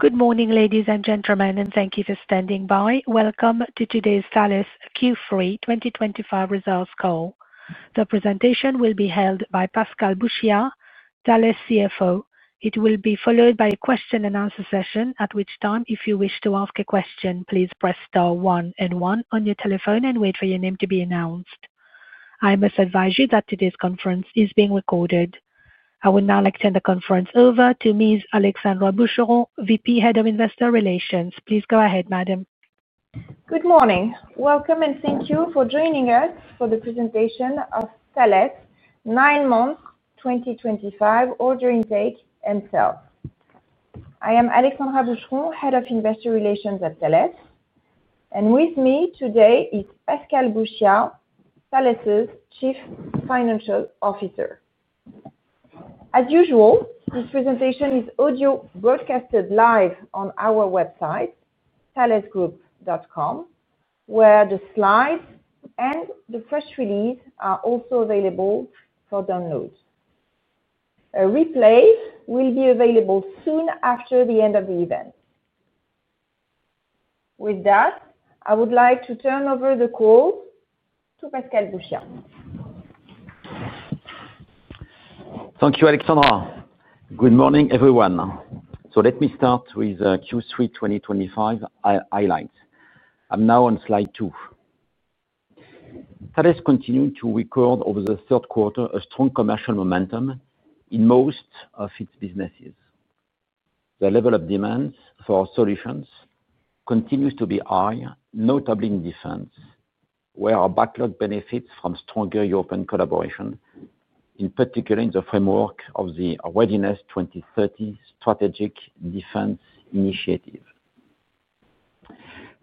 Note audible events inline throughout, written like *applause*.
Good morning, ladies and gentlemen, and thank you for standing by. Welcome to today's Thales Q3 2025 results call. The presentation will be held by Pascal Bouchiat, Thales CFO. It will be followed by a question-and-answer session, at which time, if you wish to ask a question, please press star one and one on your telephone and wait for your name to be announced. I must advise you that today's conference is being recorded. I would now like to hand the conference over to Ms. Alexandra Boucheron, VP, Head of Investor Relations. Please go ahead, madam. Good morning. Welcome and thank you for joining us for the presentation of Thales nine months 2025 order intake and sales. I am Alexandra Boucheron, Head of Investor Relations at Thales, and with me today is Pascal Bouchiat, Thales' Chief Financial Officer. As usual, this presentation is audio broadcast live on our website, thalesgroup.com, where the slides and the press release are also available for download. A replay will be available soon after the end of the event. With that, I would like to turn over the call to Pascal Bouchiat. Thank you, Alexandra. Good morning, everyone. Let me start with the Q3 2025 highlights. I'm now on slide 2. Thales continues to record over the third quarter a strong commercial momentum in most of its businesses. The level of demand for our solutions continues to be high, notably in defense, where our backlog benefits from stronger European collaboration, in particular in the framework of the Readiness 2030 Strategic Defense Initiative.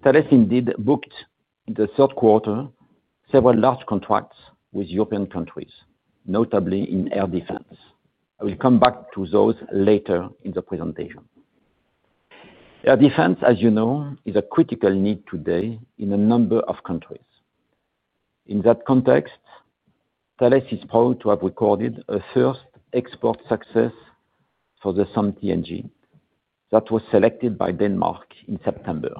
Thales indeed booked in the third quarter several large contracts with European countries, notably in Air Defense. I will come back to those later in the presentation. Air Defense, as you know, is a critical need today in a number of countries. In that context, Thales is proud to have recorded a first export success for SAMP/T NG that was selected by Denmark in September.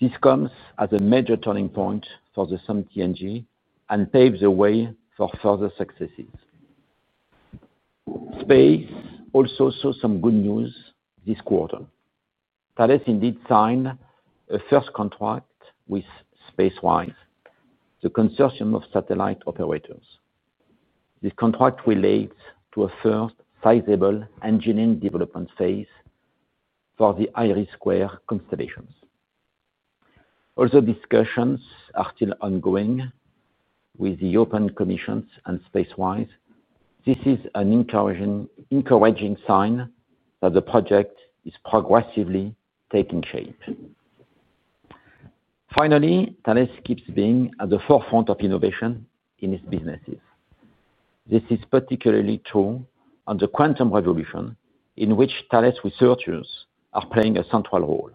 This comes as a major turning point for SAMP/T NG and paves the way for further successes. Space also saw some good news this quarter. Thales indeed signed a first contract with Spacewise, the consortium of satellite operators. This contract relates to a first sizable engineering development phase for the IRIS² constellations. Although discussions are still ongoing with the European Commission and Spacewise, this is an encouraging sign that the project is progressively taking shape. Finally, Thales keeps being at the forefront of innovation in its businesses. This is particularly true on the quantum revolution in which Thales researchers are playing a central role.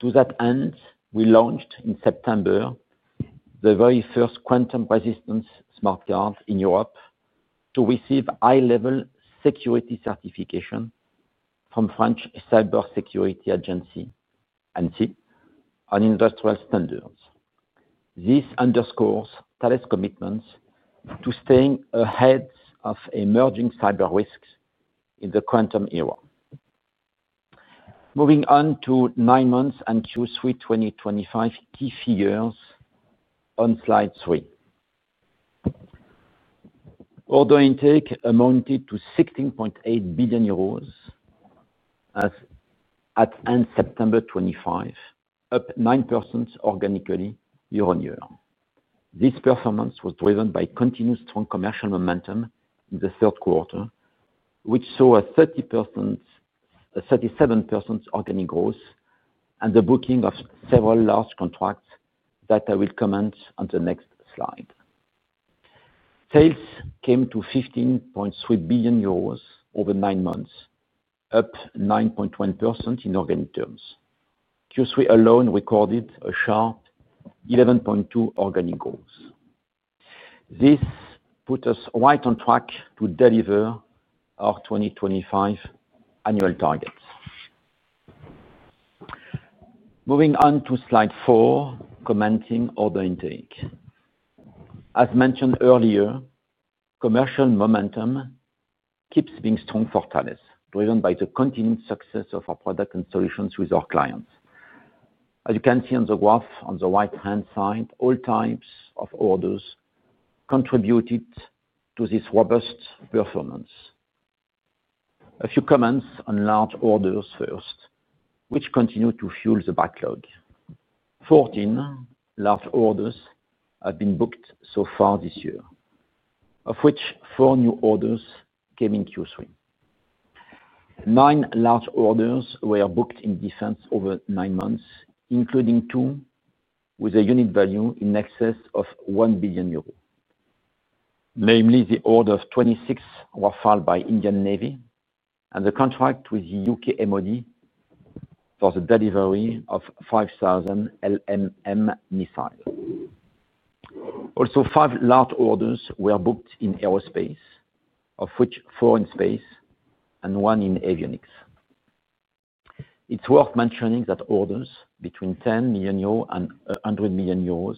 To that end, we launched in September the very first quantum-resistant smart card in Europe to receive high-level security certification from the French Cybersecurity Agency, [ANSSI,] on industrial standards. This underscores Thales' commitment to staying ahead of emerging cyber risks in the quantum era. Moving on to nine months and Q3 2025 key figures on slide 3. Order intake amounted to 16.8 billion euros at end of September 2025, up 9% organically year-on-year. This performance was driven by continued strong commercial momentum in the third quarter, which saw a 37% organic growth and the booking of several large contracts that I will comment on the next slide. Sales came to 15.3 billion euros over nine months, up 9.1% in organic terms. Q3 alone recorded a sharp 11.2% organic growth. This put us right on track to deliver our 2025 annual targets. Moving on to slide4, commenting order intake. As mentioned earlier, commercial momentum keeps being strong for Thales, driven by the continued success of our product and solutions with our clients. As you can see on the graph on the right-hand side, all types of orders contributed to this robust performance. A few comments on large orders first, which continue to fuel the backlog. Fourteen large orders have been booked so far this year, of which four new orders came in Q3. Nine large orders were booked in defense over nine months, including two with a unit value in excess of 1 billion euros. Namely, the order of 26 was filed by the Indian Navy and the contract with the U.K. M0D for the delivery of 5,000 LMM missiles. Also, five large orders were booked in Aerospace, of which four in Space and one in Avionics. It's worth mentioning that orders between 10 million euros and 100 million euros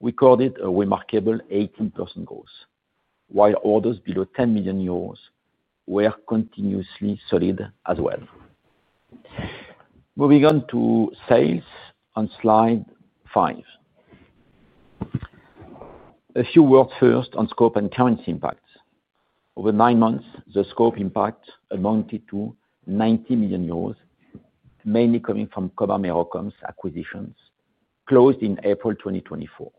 recorded a remarkable 18% growth, while orders below 10 million euros were continuously solid as well. Moving on to Sales on slide 5. A few words first on scope and currency impacts. Over nine months, the scope impact amounted to 90 million euros, mainly coming from commerce acquisitions closed in April 2024.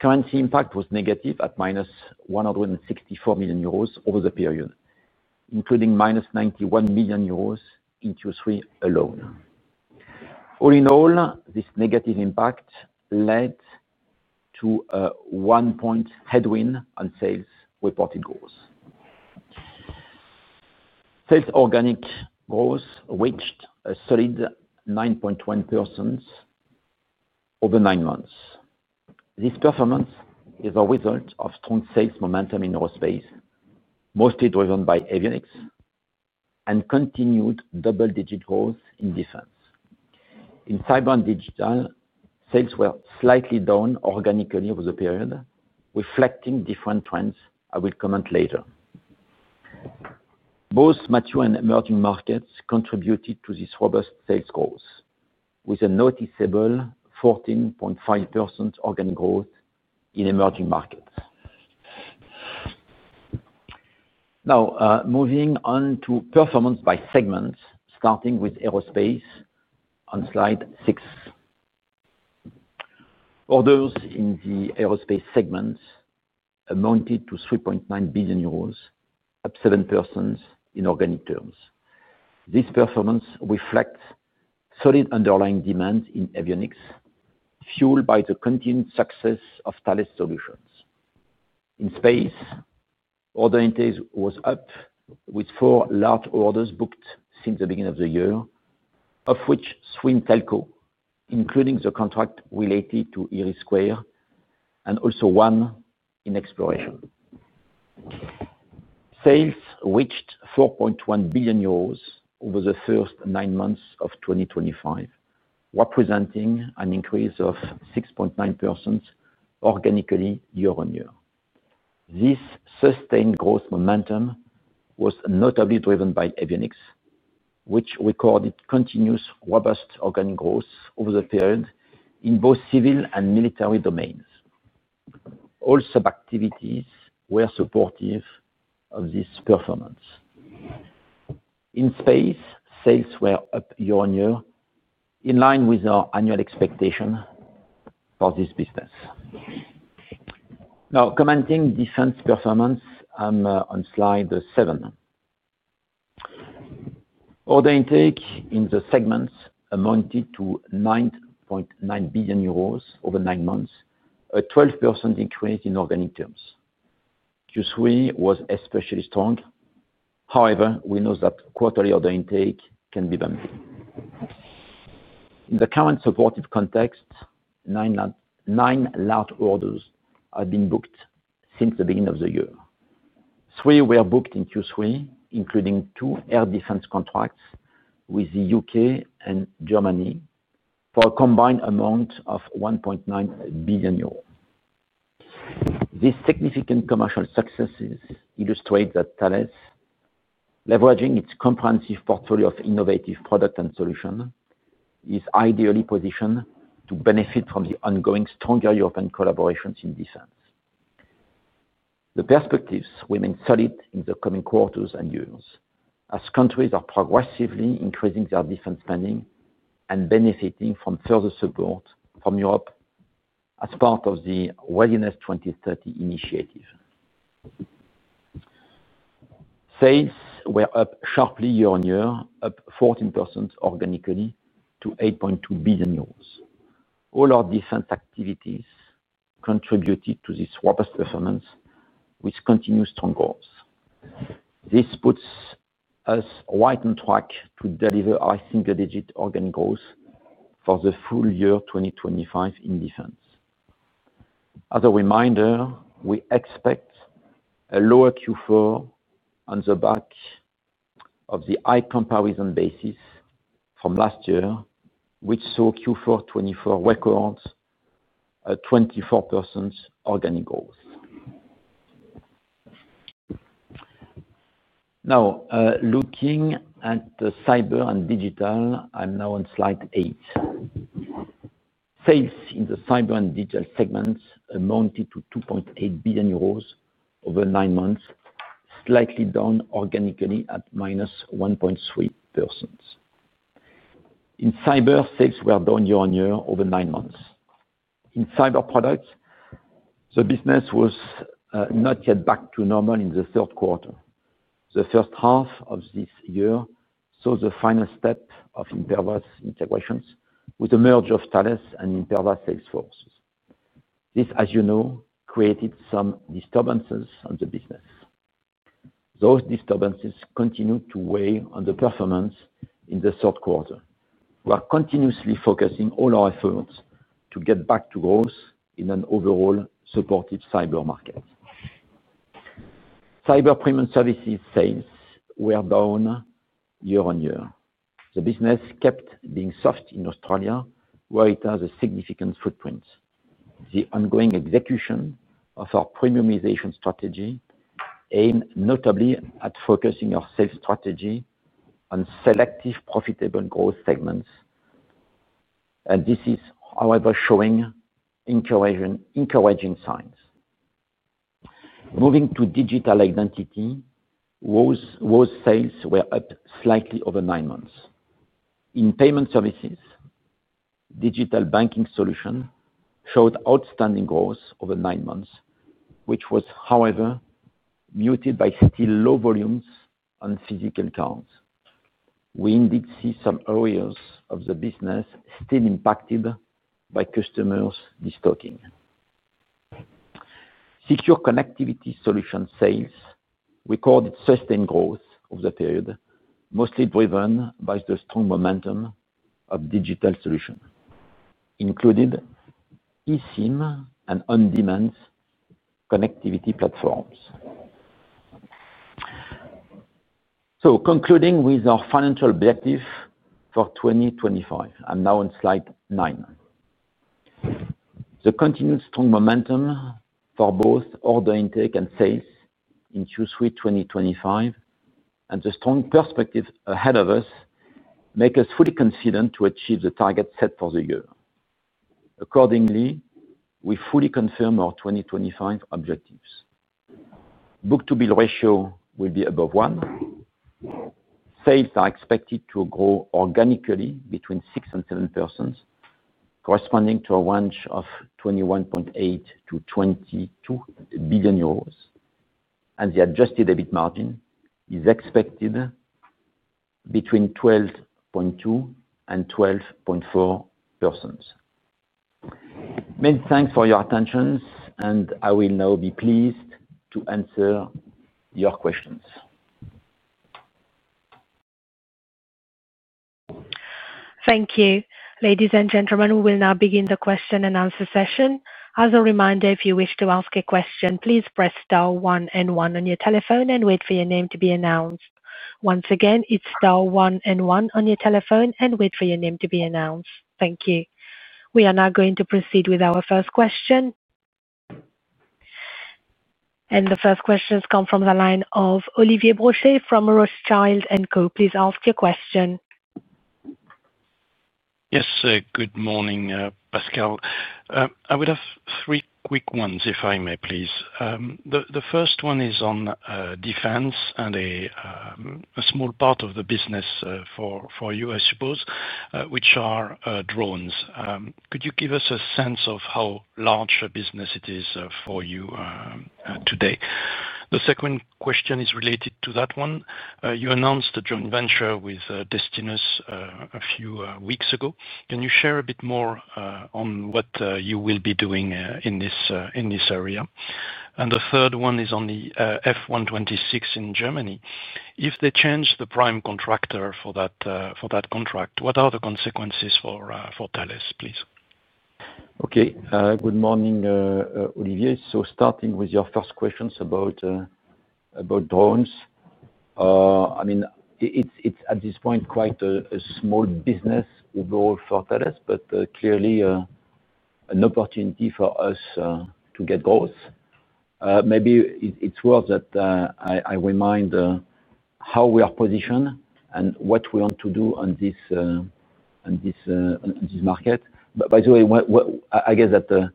Currency impact was negative at -164 million euros over the period, including -91 million euros in Q3 alone. All in all, this negative impact led to a one point headwind on sales reported growth. Sales organic growth reached a solid 9.1% over nine months. This performance is a result of strong sales momentum in Aerospace, mostly driven by Avionics, and continued double-digit growth in Defense. In Cyber and Digital, sales were slightly down organically over the period, reflecting different trends I will comment later. Both mature and emerging markets contributed to this robust sales growth, with a noticeable 14.5% organic growth in emerging markets. Now, moving on to performance by segment, starting with Aerospace on slide 6. Orders in the Aerospace segment amounted to 3.9 billion euros, up 7% in organic terms. This performance reflects solid underlying demand in Avionics, fueled by the continued success of Thales Solutions. In Space, order intake was up, with four large orders booked since the beginning of the year, of which swim telco, including the contract related to IRIS², and also one in exploration. Sales reached 4.1 billion euros over the first nine months of 2025, representing an increase of 6.9% organically year-on-year. This sustained growth momentum was notably driven by avionics, which recorded continuous robust organic growth over the period in both civil and military domains. All sub-activities were supportive of this performance. In Space, sales were up year-on-year, in line with our annual expectation for this business. Now, commenting defense performance, I'm on slide 7. Order intake in the segments amounted to 9.9 billion euros over nine months, a 12% increase in organic terms. Q3 was especially strong. However, we know that quarterly order intake can be bumpy. In the current supportive context, nine large orders have been booked since the beginning of the year. Three were booked in Q3, including two air defense contracts with the U.K. and Germany for a combined amount of 1.9 billion euros. These significant commercial successes illustrate that Thales, leveraging its comprehensive portfolio of innovative products and solutions, is ideally positioned to benefit from the ongoing stronger European collaborations in Defense. The perspectives remain solid in the coming quarters and years as countries are progressively increasing their defense spending and benefiting from further support from Europe as part of the Readiness 2030 Initiative. Sales were up sharply year-on-year, up 14% organically to 8.2 billion euros. All our defense activities contributed to this robust performance with continued strong growth. This puts us right on track to deliver our single-digit organic growth for the full year 2025 in defense. As a reminder, we expect a lower Q4 on the back of the high comparison basis from last year, which saw Q4 2024 record 24% organic growth. Now, looking at the Cyber and Digital, I'm now on slide 8. Sales in the Cyber and Digital segments amounted to 2.8 billion euros over nine months, slightly down organically at -1.3%. In Cyber, sales were down year-on-year over nine months. In cyber products, the business was not yet back to normal in the third quarter. The first half of this year saw the final step of Imperva's integrations with the merge of Thales and Imperva Sales Forces. This, as you know, created some disturbances in the business. Those disturbances continue to weigh on the performance in the third quarter. We are continuously focusing all our efforts to get back to growth in an overall supportive cyber market. Cyber premium services sales were down year-on-year. The business kept being soft in Australia, where it has a significant footprint. The ongoing execution of our premiumization strategy, aimed notably at focusing our sales strategy on selective profitable growth segments, is, however, showing encouraging signs. Moving to Digital Identity, those sales were up slightly over nine months. In payment services, Digital Banking Solutions showed outstanding growth over nine months, which was, however, muted by still low volumes on physical accounts. We indeed see some areas of the business still impacted by customers' restocking. Secure connectivity solution sales recorded sustained growth over the period, mostly driven by the strong momentum of Digital Solutions, including eSIM and on-demand connectivity platforms. Concluding with our financial objective for 2025, I'm now on slide 9. The continued strong momentum for both order intake and sales in Q3 2025 and the strong perspective ahead of us make us fully confident to achieve the targets set for the year. Accordingly, we fully confirm our 2025 objectives. Book-to-bill ratio will be above one. Sales are expected to grow organically between 6% and 7%, corresponding to a range of 21.8 billion-22 billion euros, and the adjusted EBIT margin is expected between 12.2% and 12.4%. Many thanks for your attention, and I will now be pleased to answer your questions. Thank you. Ladies and gentlemen, we will now begin the question-and-answer session. As a reminder, if you wish to ask a question, please press star one and one on your telephone and wait for your name to be announced. Once again, it's star one and one on your telephone and wait for your name to be announced. Thank you. We are now going to proceed with our first question. The first question has come from the line of Olivier Brochet from Rothschild & Co. Please ask your question. Yes. Good morning, Pascal. I would have three quick ones, if I may, please. The first one is on defense and a small part of the business for you, I suppose, which are drones. Could you give us a sense of how large a business it is for you today? The second question is related to that one. You announced a joint venture with Destinus a few weeks ago. Can you share a bit more on what you will be doing in this area? The third one is on the F126 in Germany. If they change the prime contractor for that contract, what are the consequences for Thales, please? Okay. Good morning, Olivier. Starting with your first questions about drones, it's at this point quite a small business overall for Thales, but clearly an opportunity for us to get growth. Maybe it's worth that I remind how we are positioned and what we want to do in this market. By the way, I guess that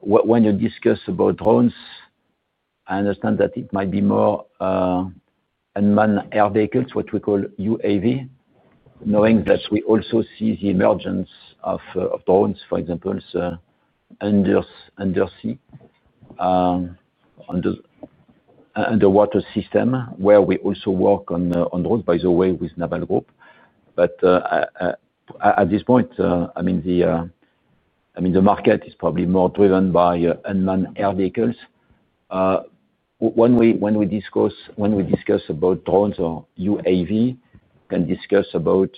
when you discuss about drones, I understand that it might be more unmanned air vehicles, what we call UAV, knowing that we also see the emergence of drones, for example, undersea, underwater systems where we also work on drones, by the way, with Naval Group. At this point, the market is probably more driven by unmanned air vehicles. When we discuss about drones or UAV, we can discuss about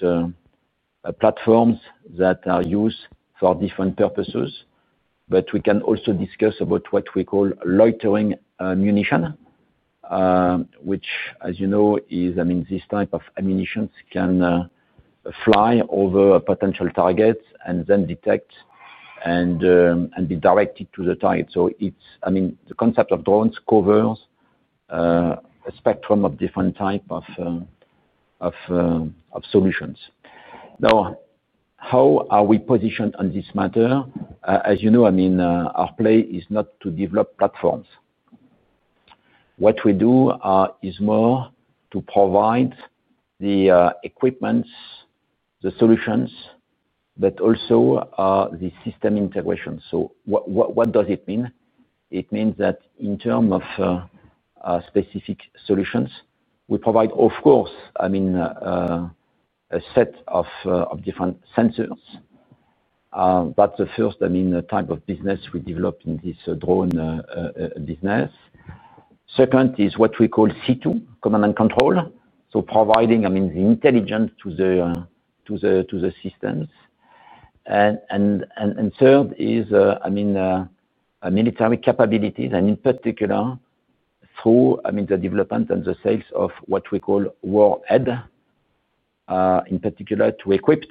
platforms that are used for different purposes, but we can also discuss about what we call loitering ammunition, which, as you know, is this type of ammunition that can fly over potential targets and then detect and be directed to the target. The concept of drones covers a spectrum of different types of solutions. Now, how are we positioned on this matter? As you know, our play is not to develop platforms. What we do is more to provide the equipment, the solutions, but also the system integration. What does it mean? It means that in terms of specific solutions, we provide, of course, a set of different sensors. That's the first type of business we develop in this drone business. Second is what we call C2, command and control, so providing the intelligence to the systems. Third is military capabilities, in particular through the development and the sales of what we call warhead, in particular to equip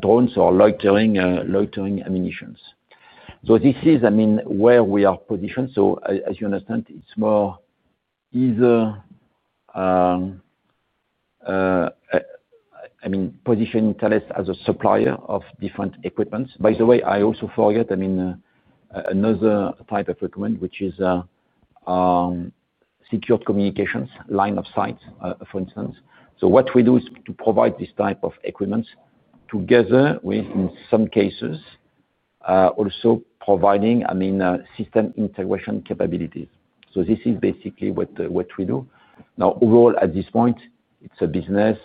drones or loitering ammunitions. This is where we are positioned. As you understand, it's easier positioning Thales as a supplier of different equipment. By the way, I also forget another type of equipment, which is secured communications, line of sight, for instance. What we do is to provide this type of equipment together with, in some cases, also providing system integration capabilities. This is basically what we do. Now, overall, at this point, it's a business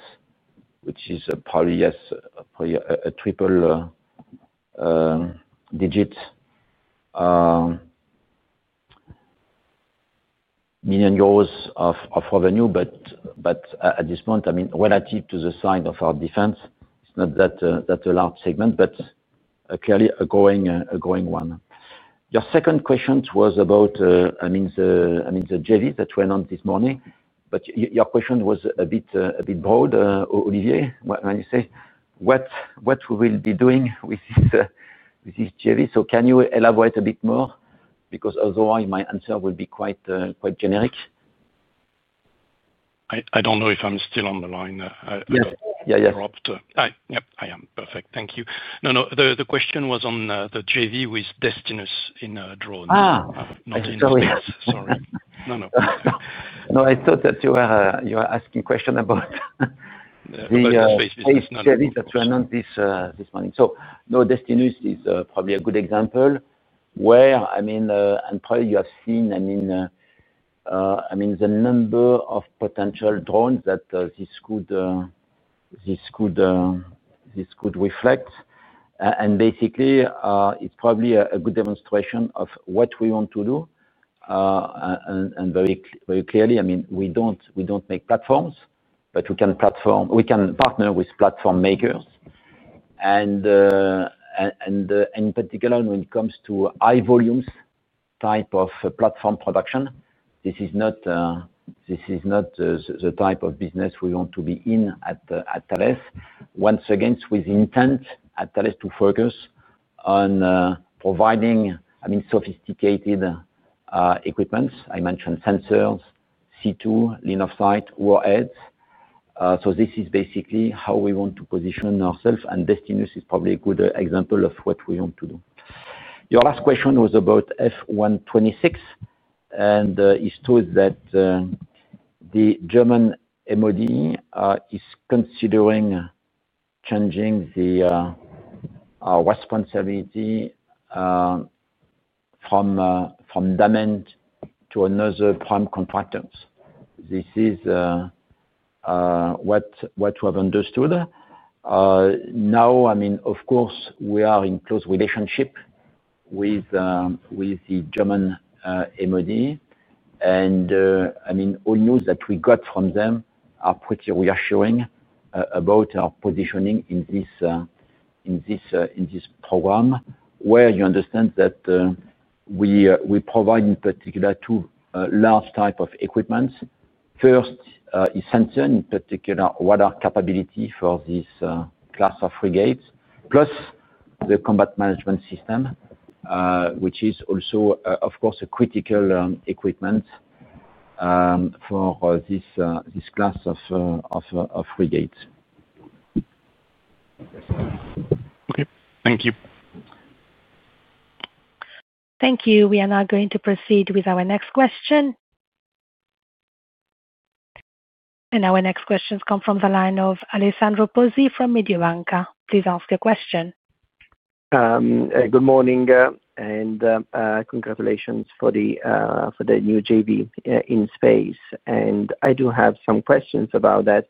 which is probably, yes, a triple-digit million euros of revenue. At this point, relative to the size of our Defense, it's not that large a segment, but clearly a growing one. Your second question was about the JV that went on this morning. Your question was a bit broad, Olivier. When you say, "What will we be doing with this JV?" Can you elaborate a bit more? Otherwise, my answer will be quite generic. I don't know if I'm still on the line. Yes, yes. Perfect. Thank you. No, no. The question was on the JV with Destinus in drones. *crosstalk* I thought that you were asking a question about. *crosstalk* The JV that went on this morning. Destinus is probably a good example where, I mean, and probably you have seen, the number of potential drones that this could reflect. Basically, it's probably a good demonstration of what we want to do. Very clearly, we don't make platforms, but we can partner with platform makers. In particular, when it comes to high volumes type of platform production, this is not the type of business we want to be in at Thales. Once again, it's with intent at Thales to focus on providing, I mean, sophisticated equipment. I mentioned sensors, C2, line of sight, warheads. This is basically how we want to position ourselves. Destinus is probably a good example of what we want to do. Your last question was about F126, and it shows that the German MOD is considering changing our responsibility from DAMENT to another prime contractor. This is what we have understood. Of course, we are in close relationship with the German MOD. All news that we got from them are pretty reassuring about our positioning in this program, where you understand that we provide, in particular, two large types of equipment. First is sensor, in particular, what are capabilities for this class of frigates, plus the combat management system, which is also, of course, a critical equipment for this class of frigates. Okay. Thank you. Thank you. We are now going to proceed with our next question. Our next question has come from the line of Alessandro Pozzi from Mediobanca. Please ask your question. Good morning, and congratulations for the new JV in Space. I do have some questions about that.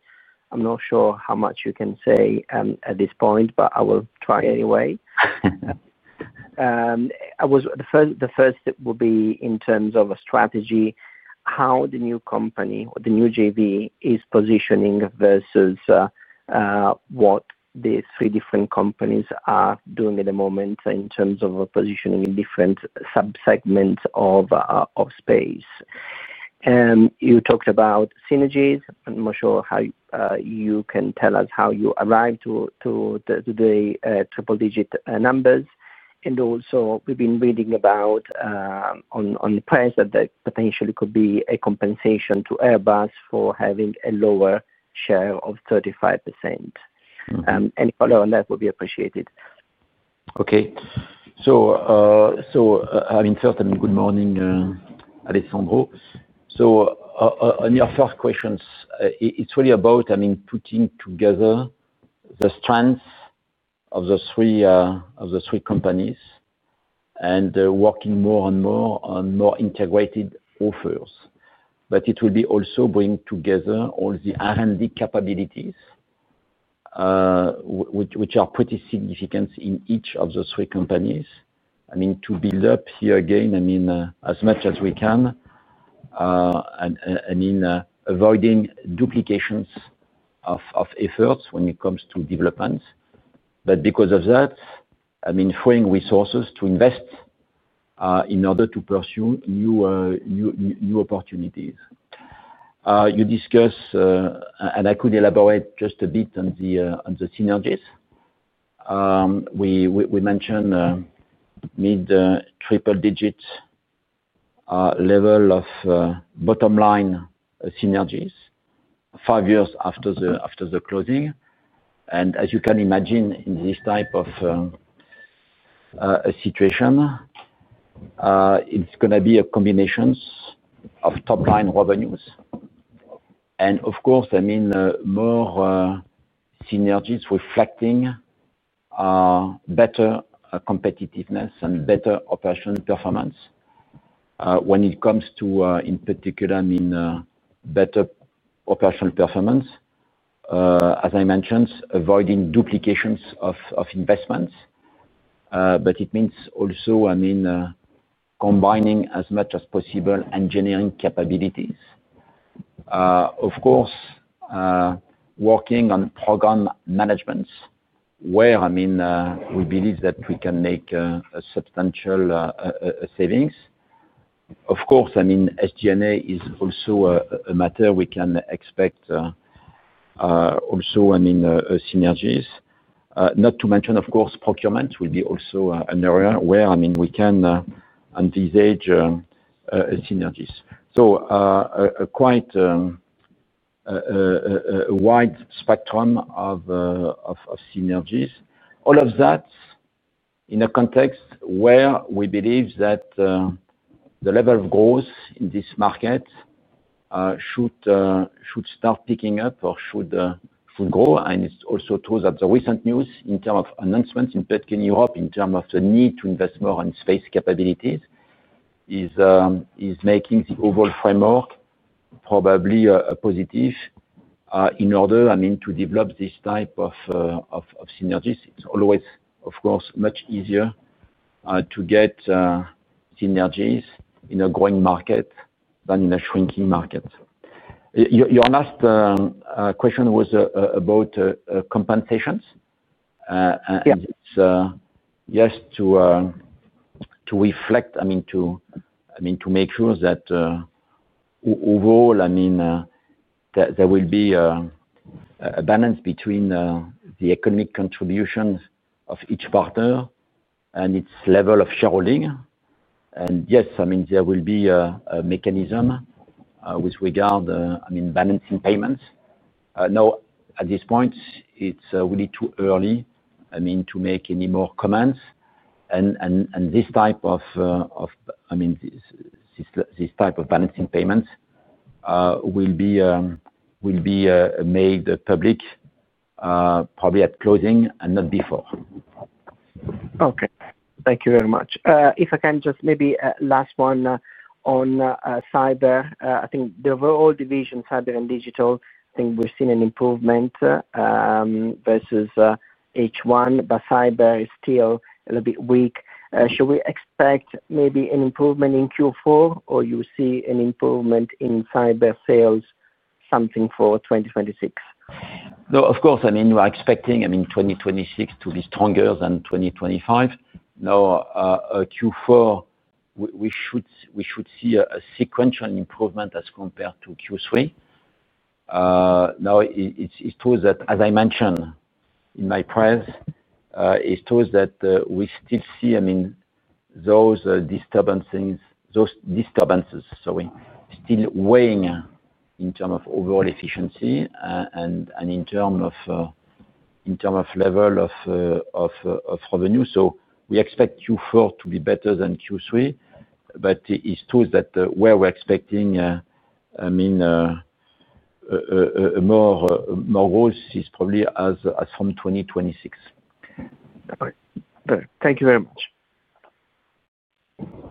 I'm not sure how much you can say at this point, but I will try anyway. The first step will be in terms of a strategy, how the new company or the new JV is positioning versus what the three different companies are doing at the moment in terms of positioning in different sub-segments of space. You talked about synergies. I'm not sure how you can tell us how you arrived to the triple-digit numbers. We've been reading about in the press that there potentially could be a compensation to Airbus for having a lower share of 35%. Any color on that would be appreciated. Okay. First, good morning, Alessandro. On your first question, it's really about putting together the strengths of the three companies and working more and more on more integrated offers. It will also be bringing together all the R&D capabilities, which are pretty significant in each of the three companies to build up here again as much as we can and in avoiding duplications of efforts when it comes to development. Because of that, freeing resources to invest in order to pursue new opportunities. You discussed, and I could elaborate just a bit on the synergies. We mentioned mid-triple-digit level of bottom-line synergies five years after the closing. As you can imagine, in this type of situation, it's going to be a combination of top-line revenues and, of course, more synergies reflecting better competitiveness and better operational performance. When it comes to, in particular, better operational performance, as I mentioned, avoiding duplications of investments. It means also combining as much as possible engineering capabilities. Of course, working on program management, where we believe that we can make substantial savings. Of course, SG&A is also a matter we can expect also synergies. Not to mention, of course, procurement will be also an area where we can envisage synergies. A quite wide spectrum of synergies. All of that in a context where we believe that the level of growth in this market should start picking up or should grow. It's also true that the recent news in terms of announcements in Europe in terms of the need to invest more in space capabilities is making the overall framework probably a positive in order to develop this type of synergies. It's always much easier to get synergies in a growing market than in a shrinking market. Your last question was about compensations. It's yes to reflect, to make sure that overall there will be a balance between the economic contributions of each partner and its level of shareholding. Yes, there will be a mechanism with regard to balancing payments. At this point, it's really too early to make any more comments. This type of balancing payments will be made public probably at closing and not before. Okay. Thank you very much. If I can just maybe last one on cyber. I think the overall division, Cyber and Digital, I think we've seen an improvement versus H1, but Cyber is still a little bit weak. Should we expect maybe an improvement in Q4, or you see an improvement in cyber sales, something for 2026? No, of course, I mean, we're expecting, I mean, 2026 to be stronger than 2025. Now, Q4, we should see a sequential improvement as compared to Q3. It shows that, as I mentioned in my press, it shows that we still see those disturbances, sorry, still weighing in terms of overall efficiency and in terms of level of revenue. We expect Q4 to be better than Q3, but it shows that where we're expecting, I mean, more growth is probably as from 2026. Okay, thank you very much.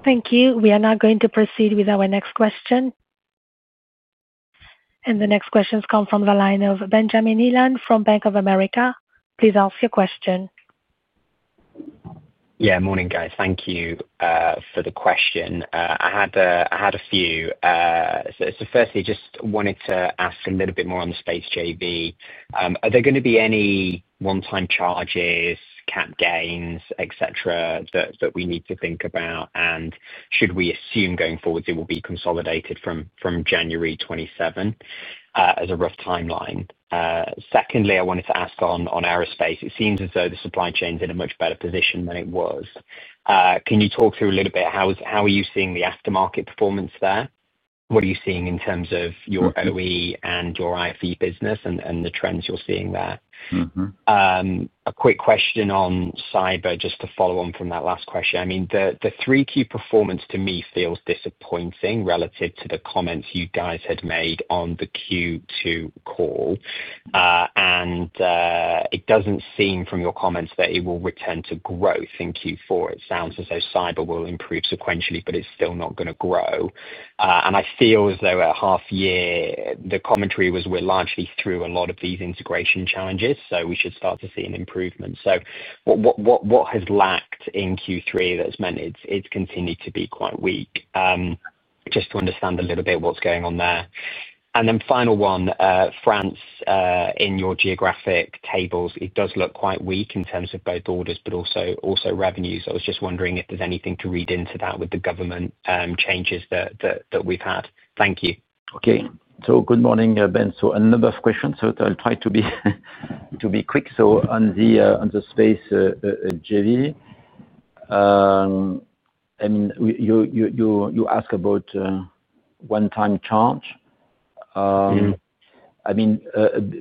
Thank you. We are now going to proceed with our next question. The next question has come from the line of Benjamin Heelan from Bank of America. Please ask your question. Yeah. Morning, guys. Thank you for the question. I had a few. Firstly, I just wanted to ask a little bit more on the space JV. Are there going to be any one-time charges, cap gains, etc., that we need to think about? Should we assume going forward it will be consolidated from January 27 as a rough timeline? Secondly, I wanted to ask on Aerospace. It seems as though the supply chain is in a much better position than it was. Can you talk through a little bit how you are seeing the aftermarket performance there? What are you seeing in terms of your OE and your IFE business and the trends you're seeing there? A quick question on cyber just to follow on from that last question. I mean, the 3Q performance to me feels disappointing relative to the comments you guys had made on the Q2 call. It doesn't seem from your comments that it will return to growth in Q4. It sounds as though Cyber will improve sequentially, but it's still not going to grow. I feel as though at half-year, the commentary was we're largely through a lot of these integration challenges, so we should start to see an improvement. What has lacked in Q3 that's meant it's continued to be quite weak? Just to understand a little bit what's going on there. Final one, France, in your geographic tables, it does look quite weak in terms of both orders, but also revenues. I was just wondering if there's anything to read into that with the government changes that we've had. Thank you. Okay. Good morning, Ben. Another question. I'll try to be quick. On the space JV, you ask about one-time charge.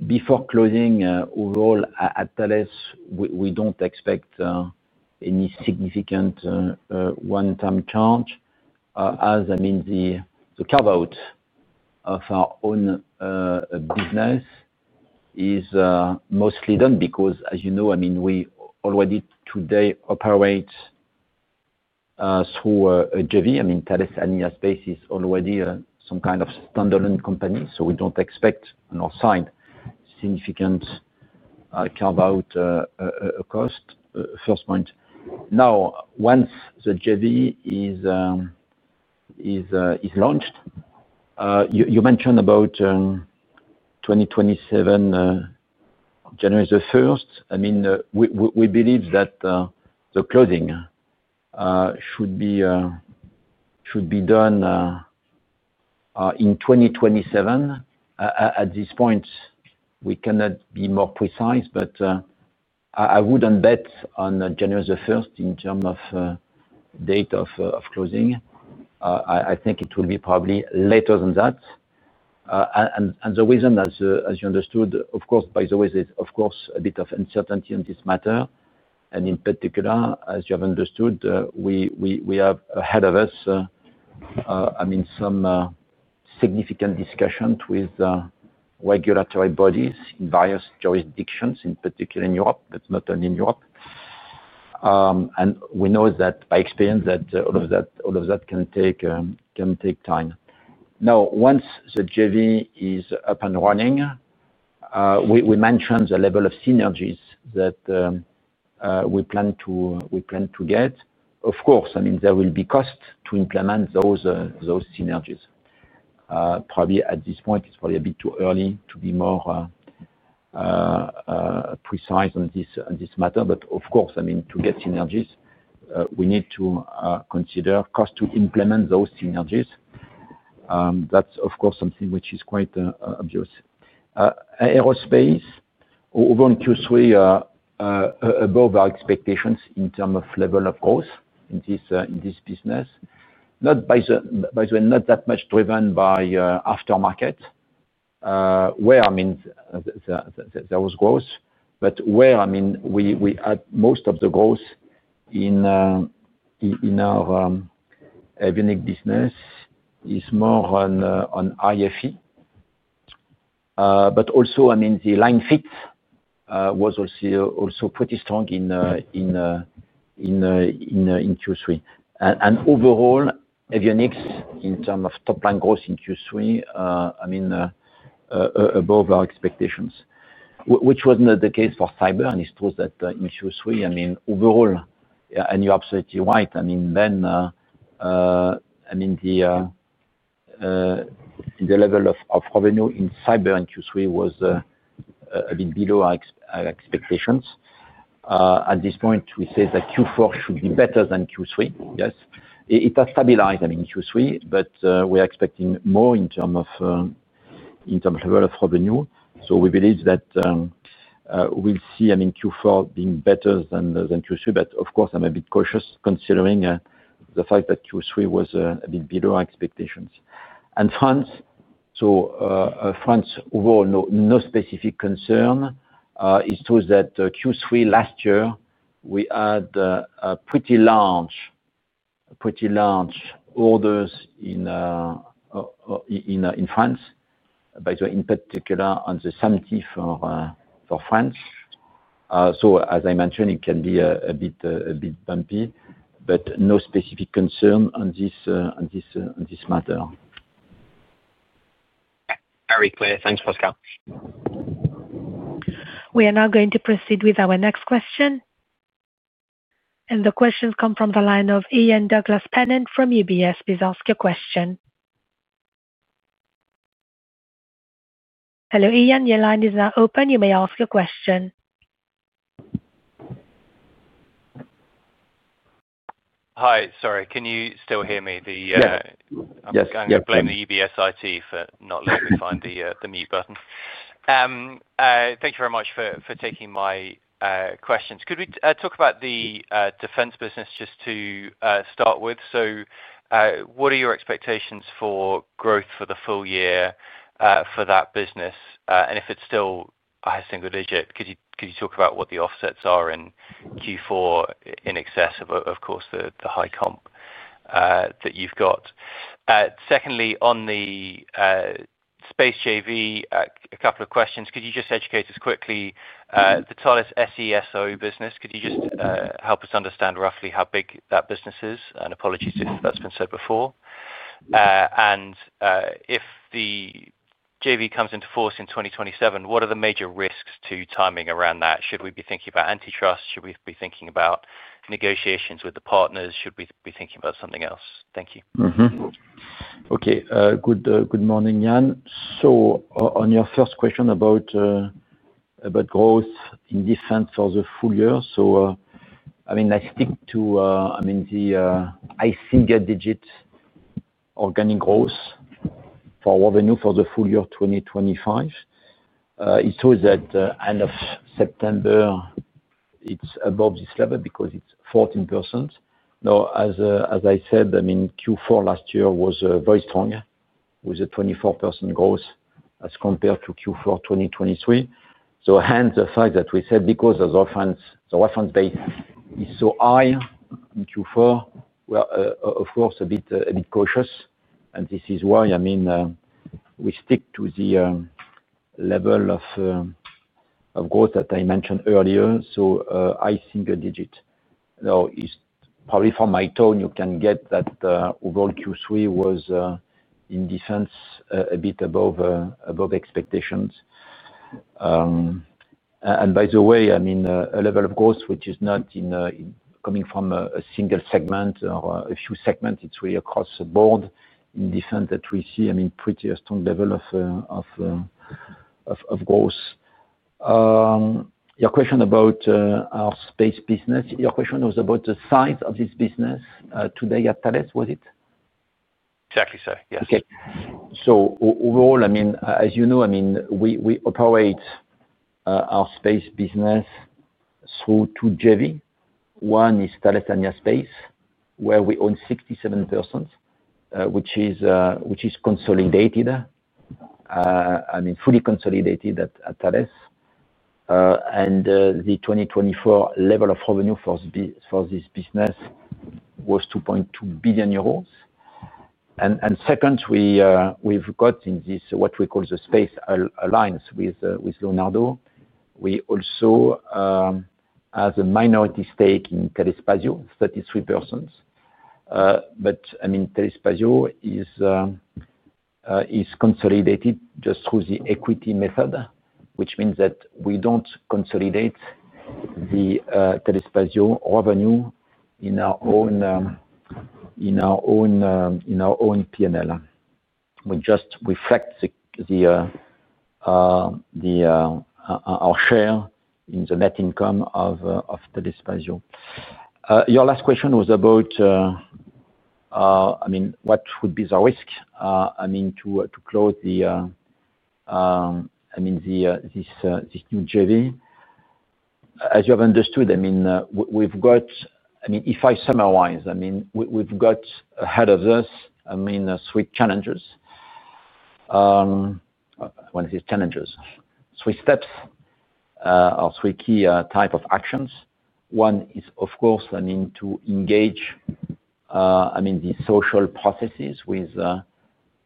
Before closing, overall, at Thales, we don't expect any significant one-time charge. As the carve-out of our own business is mostly done because, as you know, we already today operate through a JV. Thales Alenia Space is already some kind of standalone company, so we don't expect on our side significant carve-out cost, first point. Now, once the JV is launched, you mentioned about 2027, January the 1st. We believe that the closing should be done in 2027. At this point, we cannot be more precise, but I wouldn't bet on January the 1st in terms of the date of closing. I think it will be probably later than that. The reason, as you understood, of course, by the way, there's of course a bit of uncertainty in this matter. In particular, as you have understood, we have ahead of us some significant discussions with regulatory bodies in various jurisdictions, in particular in Europe, but not only in Europe. We know that by experience that all of that can take time. Now, once the JV is up and running, we mentioned the level of synergies that we plan to get. There will be costs to implement those synergies. Probably at this point, it's a bit too early to be more precise on this matter. To get synergies, we need to consider costs to implement those synergies. That's something which is quite obvious. Aerospace, overall, in Q3 above our expectations in terms of level of growth in this business. Not by the way, not that much driven by aftermarket, where there was growth, but where we had most of the growth in our Avionics business is more on IFE. The line fit was also pretty strong in Q3. Overall, Avionics in terms of top-line growth in Q3, above our expectations, which was not the case for cyber. It shows that in Q3, overall, yeah, and you're absolutely right, Ben, the level of revenue in cyber in Q3 was a bit below our expectations. At this point, we say that Q4 should be better than Q3, yes. It has stabilized, Q3, but we are expecting more in terms of level of revenue. We believe that we'll see Q4 being better than Q3. Of course, I'm a bit cautious considering the fact that Q3 was a bit below our expectations. France, so France, overall, no specific concern. It shows that Q3 last year, we had pretty large orders in France. By the way, in particular, on the summatives for France. As I mentioned, it can be a bit bumpy, but no specific concern on this matter. Very clear. Thanks, Pascal. We are now going to proceed with our next question. The question has come from the line of Ian Douglas-Pennant from UBS. Please ask your question. Hello, Ian. Your line is now open. You may ask your question. Hi. Sorry, can you still hear me? Yes. I'm going to blame the UBS IT for not letting me find the mute button. Thank you very much for taking my questions. Could we talk about the defense business just to start with? What are your expectations for growth for the full year for that business? If it's still a single digit, could you talk about what the offsets are in Q4 in excess of, of course, the high comp that you've got? On the space JV, a couple of questions. Could you just educate us quickly? The Thales SESO business, could you just help us understand roughly how big that business is? Apologies if that's been said before. If the JV comes into force in 2027, what are the major risks to timing around that? Should we be thinking about antitrust? Should we be thinking about negotiations with the partners? Should we be thinking about something else? Thank you. Okay. Good morning, Ian. On your first question about growth in Defense for the full year, I stick to the high single-digit organic growth for revenue for the full year 2025. It shows that end of September, it's above this level because it's 14%. As I said, Q4 last year was very strong with a 24% growth as compared to Q4 2023. Hence the fact that we said because the reference base is so high in Q4, we are, of course, a bit cautious. This is why we stick to the level of growth that I mentioned earlier, so high single-digit. Probably from my tone, you can get that overall Q3 was in defense a bit above expectations. By the way, a level of growth which is not coming from a single segment or a few segments. It's really across the board in defense that we see a pretty strong level of growth. Your question about our space business, your question was about the size of this business today at Thales, was it? Exactly so, yes. Okay. Overall, as you know, we operate our space business through two JVs. One is Thales Alenia Space, where we own 67%, which is fully consolidated at Thales. The 2024 level of revenue for this business was 2.2 billion euros. Second, we've got in this what we call the space alliance with Leonardo. We also have a minority stake in Telespazio, 33%. Telespazio is consolidated just through the equity method, which means that we don't consolidate the Telespazio revenue in our own P&L. We just reflect our share in the net income of Telespazio. Your last question was about what would be the risk to close this new JV. As you have understood, if I summarize, we've got ahead of us three challenges, three steps, or three key types of actions. One is to engage the social processes with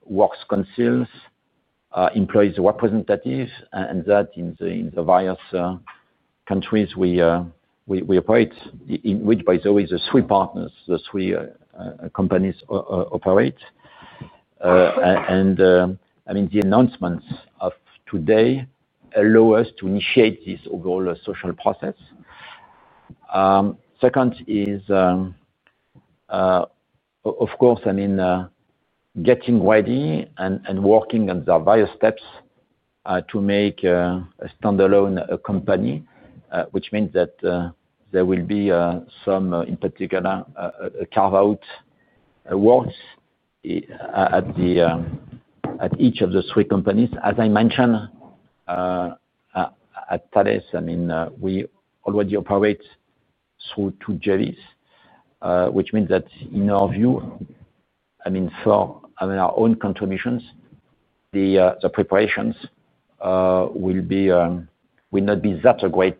works councils, employee representatives, and that in the various countries we operate, in which, by the way, the three partners, the three companies operate. The announcements of today allow us to initiate this overall social process. Second is getting ready and working on the various steps to make a standalone company, which means that there will be some, in particular, carve-out works at each of the three companies. As I mentioned, at Thales, we already operate through two JVs, which means that in our view, for our own contributions, the preparations will not be such a great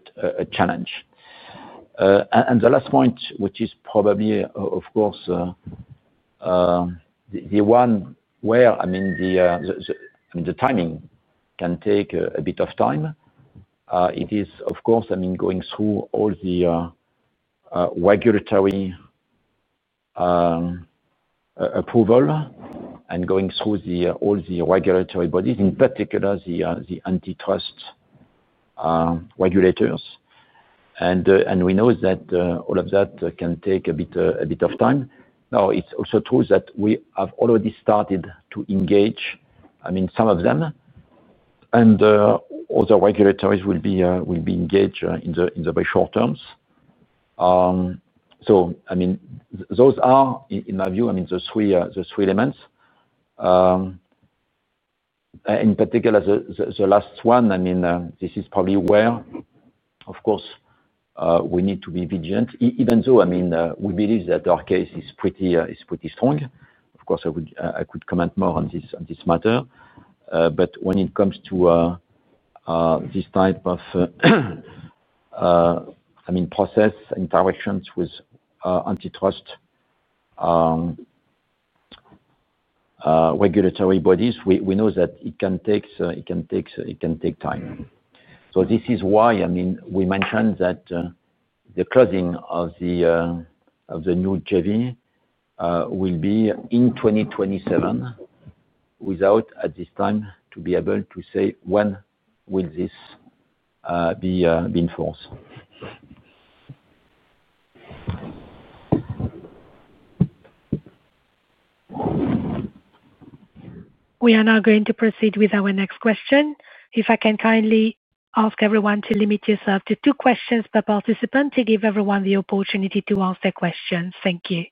challenge. The last point, which is probably the one where the timing can take a bit of time, is going through all the regulatory approval and going through all the regulatory bodies, in particular, the antitrust regulators. We know that all of that can take a bit of time. It's also true that we have already started to engage some of them, and all the regulators will be engaged in the very short-term. Those are, in my view, the three elements. In particular, the last one is probably where we need to be vigilant, even though we believe that our case is pretty strong. Of course, I could comment more on this matter. When it comes to this type of process interactions with antitrust regulatory bodies, we know that it can take time. This is why we mentioned that the closing of the new JV will be in 2027 without, at this time, being able to say when will this be in force. We are now going to proceed with our next question. If I can kindly ask everyone to limit yourself to two questions per participant to give everyone the opportunity to ask their question. Thank you.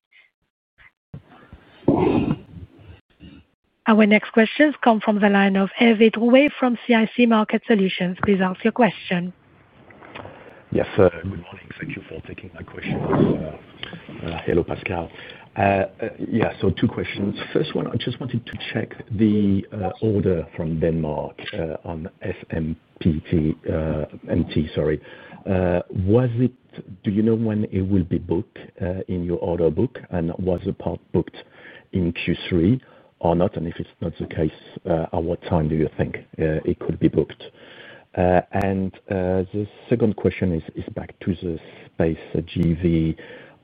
Our next question has come from the line of Hervé Drouet from CIC Market Solutions. Please ask your question. Yes. Good morning. Thank you for taking my questions. Hello, Pascal. Yeah. Two questions. First one, I just wanted to check the order from Denmark SAMP/T NG. do you know when it will be booked in your order book? Was the part booked in Q3 or not? If it's not the case, at what time do you think it could be booked? The second question is back to the space JV.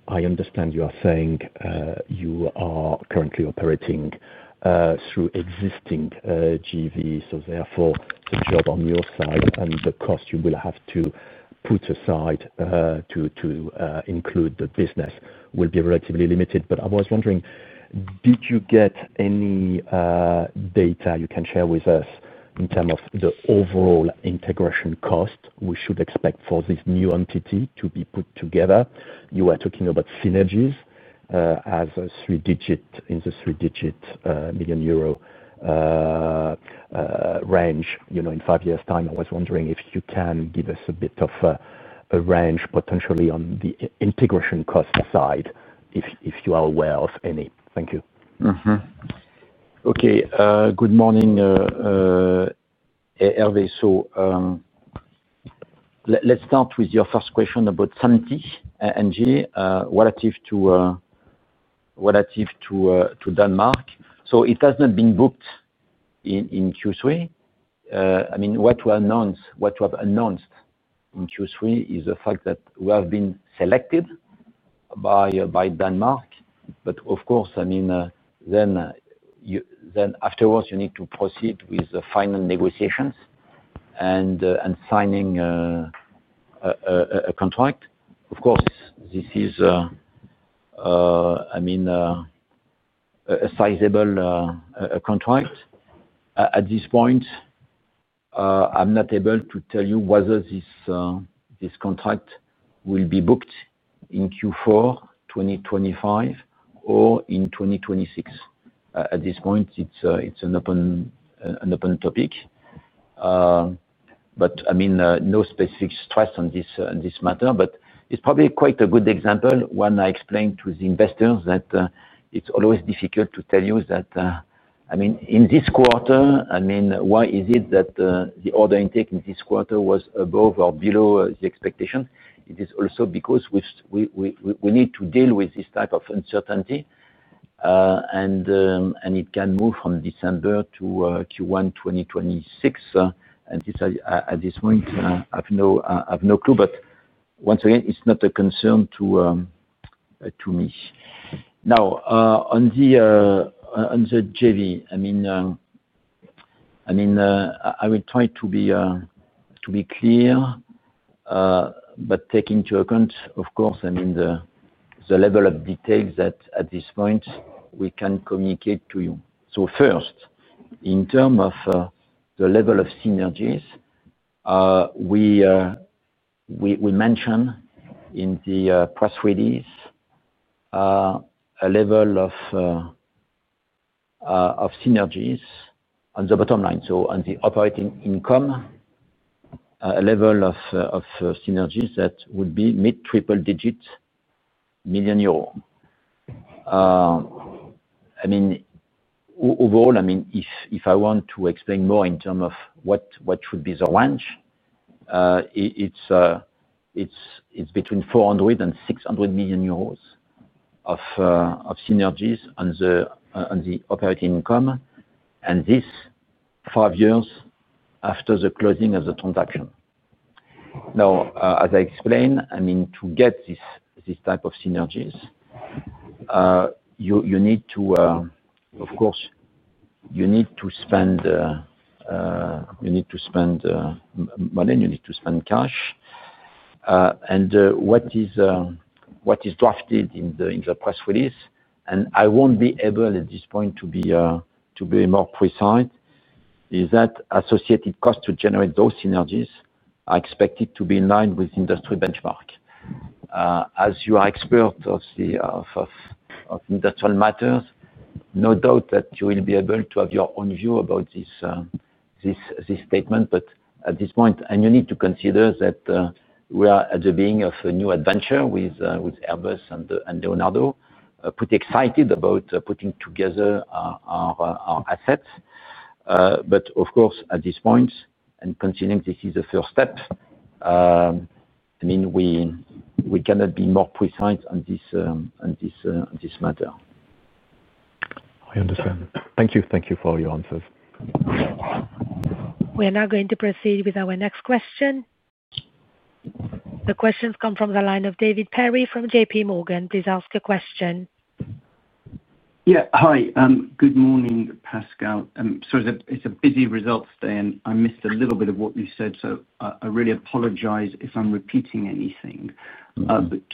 I understand you are saying you are currently operating through existing JV, so therefore, the job on your side and the cost you will have to put aside to include the business will be relatively limited. I was wondering, did you get any data you can share with us in terms of the overall integration cost we should expect for this new entity to be put together? You were talking about synergies as a three-digit million euro range, you know, in five years' time. I was wondering if you can give us a bit of a range potentially on the integration cost side, if you are aware of any. Thank you. Okay. Good morning, Hervé. Let's start with your first question SAMP/T NG relative to Denmark. It has not been booked in Q3. What we have announced in Q3 is the fact that we have been selected by Denmark. Of course, then afterwards, you need to proceed with the final negotiations and signing a contract. This is a sizable contract. At this point, I'm not able to tell you whether this contract will be booked in Q4 2025 or in 2026. At this point, it's an open topic. No specific stress on this matter. It's probably quite a good example when I explain to the investors that it's always difficult to tell you that in this quarter, why is it that the order intake in this quarter was above or below the expectation? It is also because we need to deal with this type of uncertainty. It can move from December to Q1 2026. At this point, I have no clue. Once again, it's not a concern to me. Now, on the JV, I will try to be clear, but take into account the level of details that at this point we can communicate to you. First, in terms of the level of synergies, we mentioned in the press release a level of synergies on the bottom line. On the operating income, a level of synergies that would be mid-triple-digit million euros. Overall, if I want to explain more in terms of what should be the range, it's between 400 million euros and 600 million euros of synergies on the operating income, and this five years after the closing of the transaction. As I explained, to get this type of synergies, you need to spend money. You need to spend cash. What is drafted in the press release, and I won't be able at this point to be more precise, is that associated costs to generate those synergies are expected to be in line with industry benchmark. As you are an expert of industrial matters, no doubt that you will be able to have your own view about this statement. At this point, I need to consider that we are at the beginning of a new adventure with Airbus and Leonardo, pretty excited about putting together our assets. At this point, and considering this is the first step, we cannot be more precise on this matter. I understand. Thank you. Thank you for all your answers. We are now going to proceed with our next question. The question has come from the line of David Perry from JPMorgan. Please ask your question. Yeah. Hi. Good morning, Pascal. Sorry, it's a busy result today, and I missed a little bit of what you said. I really apologize if I'm repeating anything.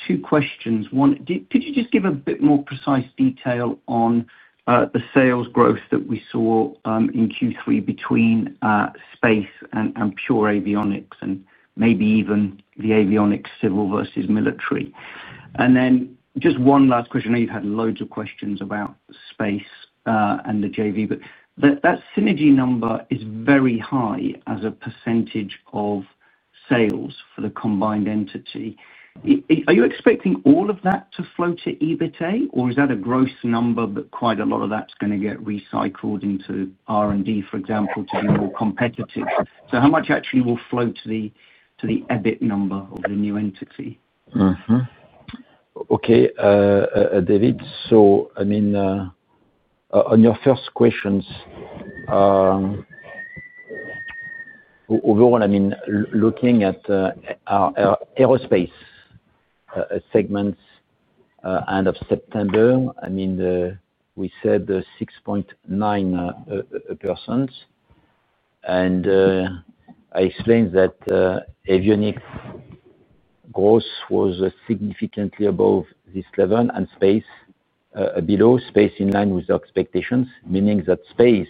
Two questions. One, could you just give a bit more precise detail on the sales growth that we saw in Q3 between Space and Pure Avionics and maybe even the Avionics Civil versus Military? One last question. I know you've had loads of questions about space and the JV, but that synergy number is very high as a percentage of sales for the combined entity. Are you expecting all of that to float to EBITDA, or is that a gross number, but quite a lot of that's going to get recycled into R&D, for example, to be more competitive? How much actually will float to the EBIT number of the new entity? Okay, David. On your first questions, overall, looking at our Aerospace segments end of September, we said 6.9%. I explained that avionics growth was significantly above this level and space below, space in line with the expectations, meaning that space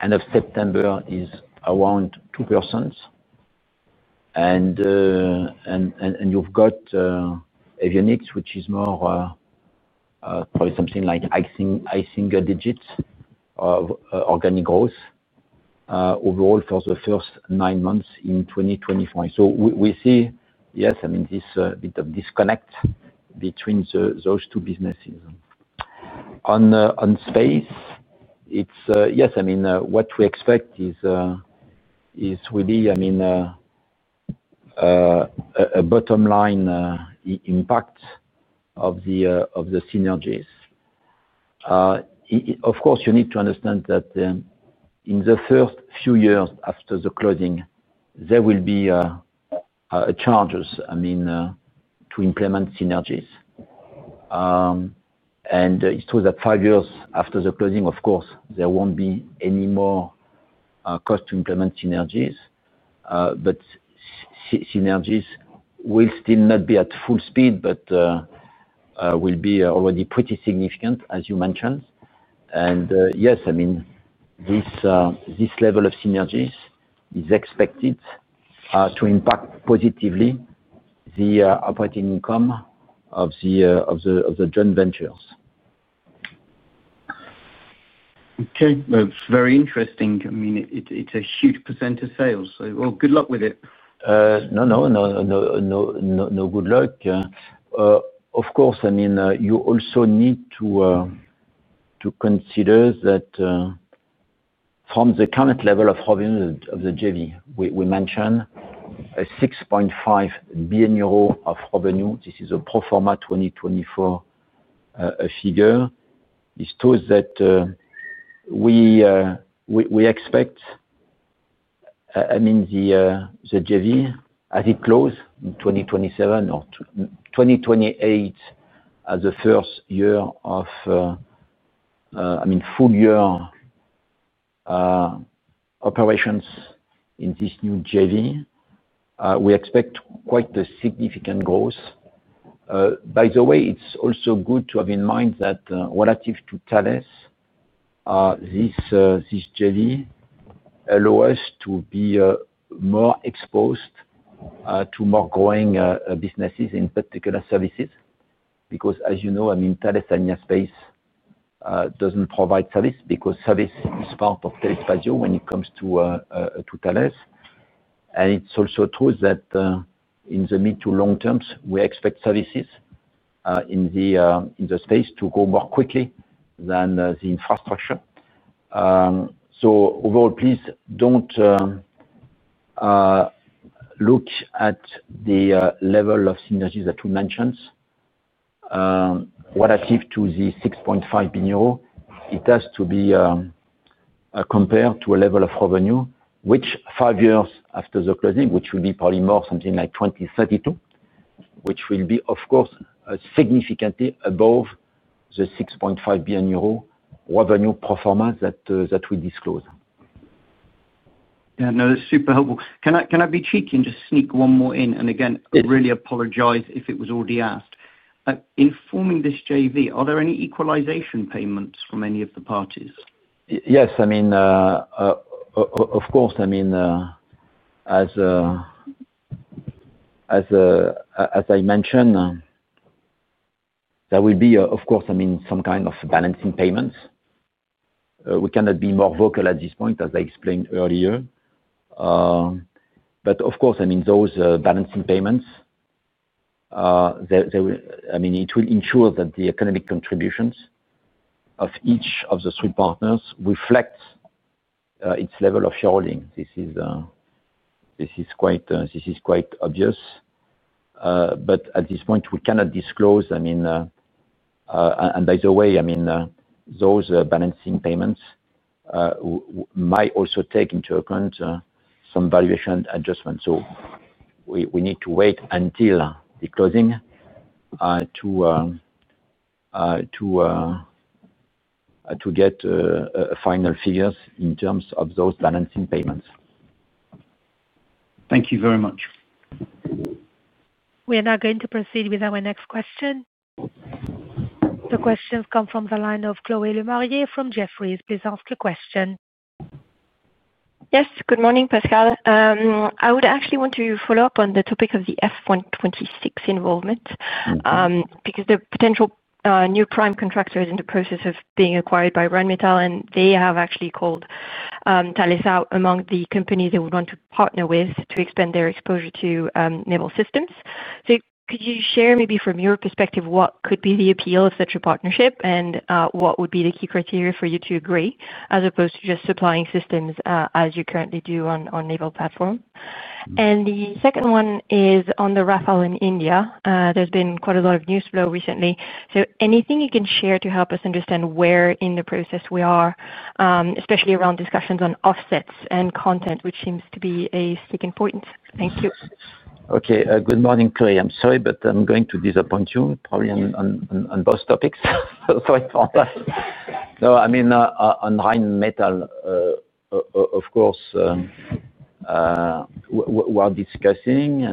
end of September is around 2%. You've got avionics, which is more probably something like a high single-digit organic growth overall for the first nine months in 2025. We see, yes, this bit of disconnect between those two businesses. On Space, what we expect is really a bottom-line impact of the synergies. Of course, you need to understand that in the first few years after the closing, there will be charges to implement synergies. It shows that five years after the closing, there won't be any more costs to implement synergies. Synergies will still not be at full speed, but will be already pretty significant, as you mentioned. This level of synergies is expected to impact positively the operating income of the joint ventures. Okay. Very interesting. I mean, it's a huge percent of sale. Good luck with it. Of course, you also need to consider that from the current level of revenue of the JV, we mentioned 6.5 billion euro of revenue. This is a pro forma 2024 figure. It shows that we expect the JV, as it closes in 2027 or 2028 as the first year of full-year operations in this new JV, to have quite a significant growth. By the way, it's also good to have in mind that relative to Thales, this JV allows us to be more exposed to more growing businesses, in particular services. Because, as you know, Thales Alenia Space doesn't provide service because service is part of Telespazio when it comes to Thales. It's also true that in the mid to long-terms, we expect services in the space to grow more quickly than the infrastructure. Overall, please don't look at the level of synergies that we mentioned. Relative to the 6.5 billion euro, it has to be compared to a level of revenue, which five years after the closing, which will be probably more something like 2032, which will be, of course, significantly above the 6.5 billion euro revenue pro forma that we disclose. Yeah, no, that's super helpful. Can I be cheeky and just sneak one more in? I really apologize if it was already asked. In forming this JV, are there any equalization payments from any of the parties? Yes. Of course, as I mentioned, there will be some kind of balancing payments. We cannot be more vocal at this point, as I explained earlier. Those balancing payments will ensure that the economic contributions of each of the three partners reflect its level of shareholding. This is quite obvious. At this point, we cannot disclose, and by the way, those balancing payments might also take into account some valuation adjustments. We need to wait until the closing to get final figures in terms of those balancing payments. Thank you very much. We are now going to proceed with our next question. The question has come from the line of Chloe Lemarie from Jefferies. Please ask your question. Yes. Good morning, Pascal. I would actually want to follow up on the topic of the F126 involvement because the potential new prime contractor is in the process of being acquired by Rheinmetall, and they have actually called Thales out among the companies they would want to partner with to expand their exposure to naval systems. Could you share maybe from your perspective what could be the appeal of such a partnership and what would be the key criteria for you to agree as opposed to just supplying systems as you currently do on naval platform? The second one is on the Rafale in India. There's been quite a lot of news flow recently. Anything you can share to help us understand where in the process we are, especially around discussions on offsets and content, which seems to be a sticking point. Thank you. Okay. Good morning, Chloe. I'm sorry, but I'm going to disappoint you probably on both topics. I thought that. No, I mean, on Rheinmetall, of course, we are discussing,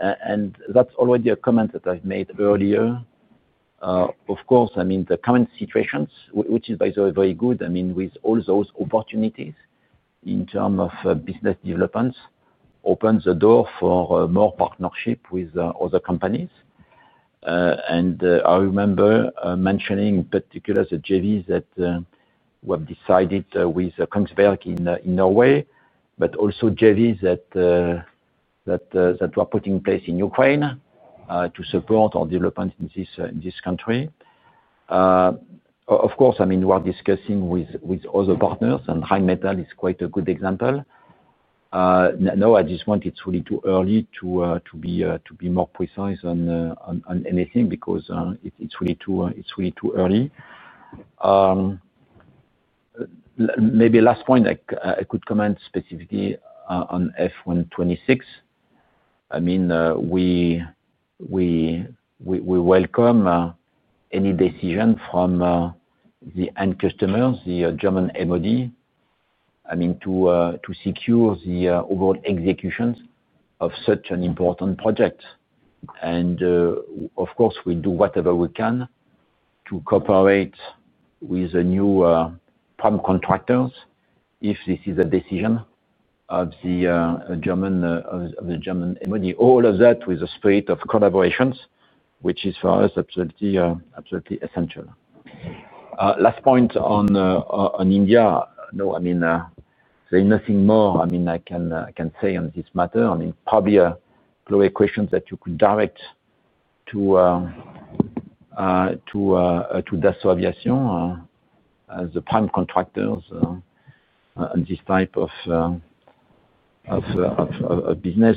and that's already a comment that I've made earlier. Of course, I mean, the current situations, which is by the way very good, with all those opportunities in terms of business developments, opens the door for more partnership with other companies. I remember mentioning in particular the JVs that we have decided with Kongsberg in Norway, but also JVs that we are putting in place in Ukraine to support our development in this country. Of course, we are discussing with other partners, and Rheinmetall is quite a good example. At this point, it's really too early to be more precise on anything because it's really too early. Maybe last point, I could comment specifically on F126. We welcome any decision from the end customers, the German MOD, to secure the overall executions of such an important project. We do whatever we can to cooperate with the new prime contractors if this is a decision of the German MOD. All of that with the spirit of collaborations, which is for us absolutely essential. Last point on India. No, there's nothing more I can say on this matter. Probably Chloe's question that you could direct to Dassault Aviation as the prime contractor on this type of business.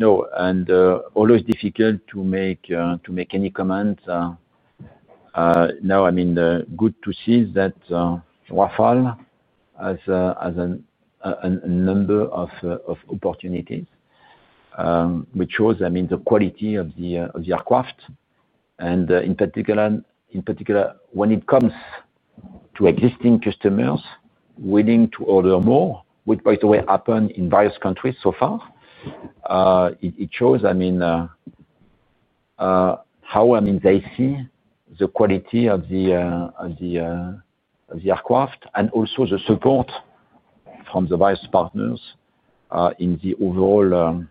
Always difficult to make any comments. Good to see that Rafale has a number of opportunities, which shows the quality of the aircraft. In particular, when it comes to existing customers willing to order more, which by the way happened in various countries so far, it shows how they see the quality of the aircraft and also the support from the various partners in the overall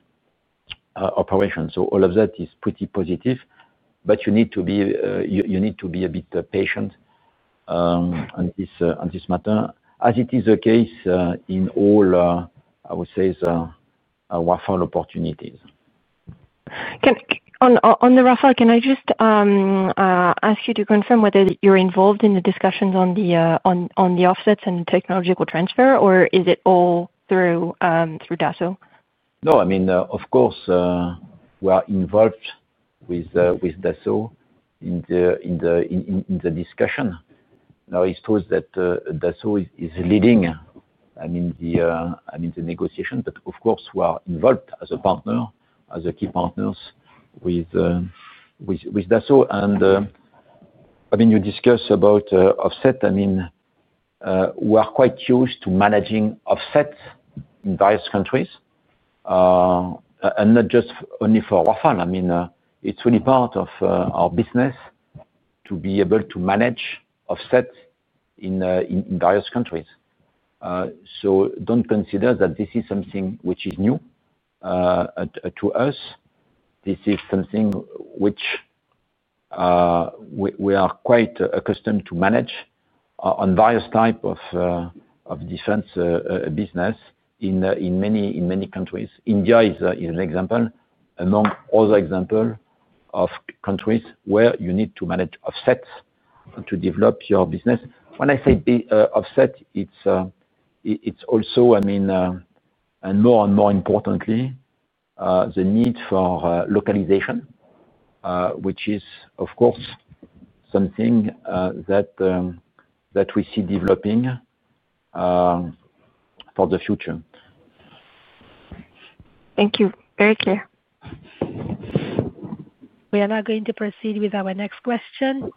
operations. All of that is pretty positive. You need to be a bit patient on this matter, as it is the case in all, I would say, the Rafale opportunities. On the Rafale, can I just ask you to confirm whether you're involved in the discussions on the offsets and technological transfer, or is it all through Dassault? No, I mean, of course, we are involved with Dassault in the discussion. It shows that Dassault is leading the negotiations. Of course, we are involved as a partner, as a key partner with Dassault. You discuss about offset. We are quite used to managing offsets in various countries, and not just only for Rafale. It's really part of our business to be able to manage offsets in various countries. Don't consider that this is something which is new to us. This is something which we are quite accustomed to manage on various types of defense business in many countries. India is an example among other examples of countries where you need to manage offsets to develop your business. When I say offset, it's also, and more and more importantly, the need for localization, which is, of course, something that we see developing for the future. Thank you. Very clear. We are now going to proceed with our next question.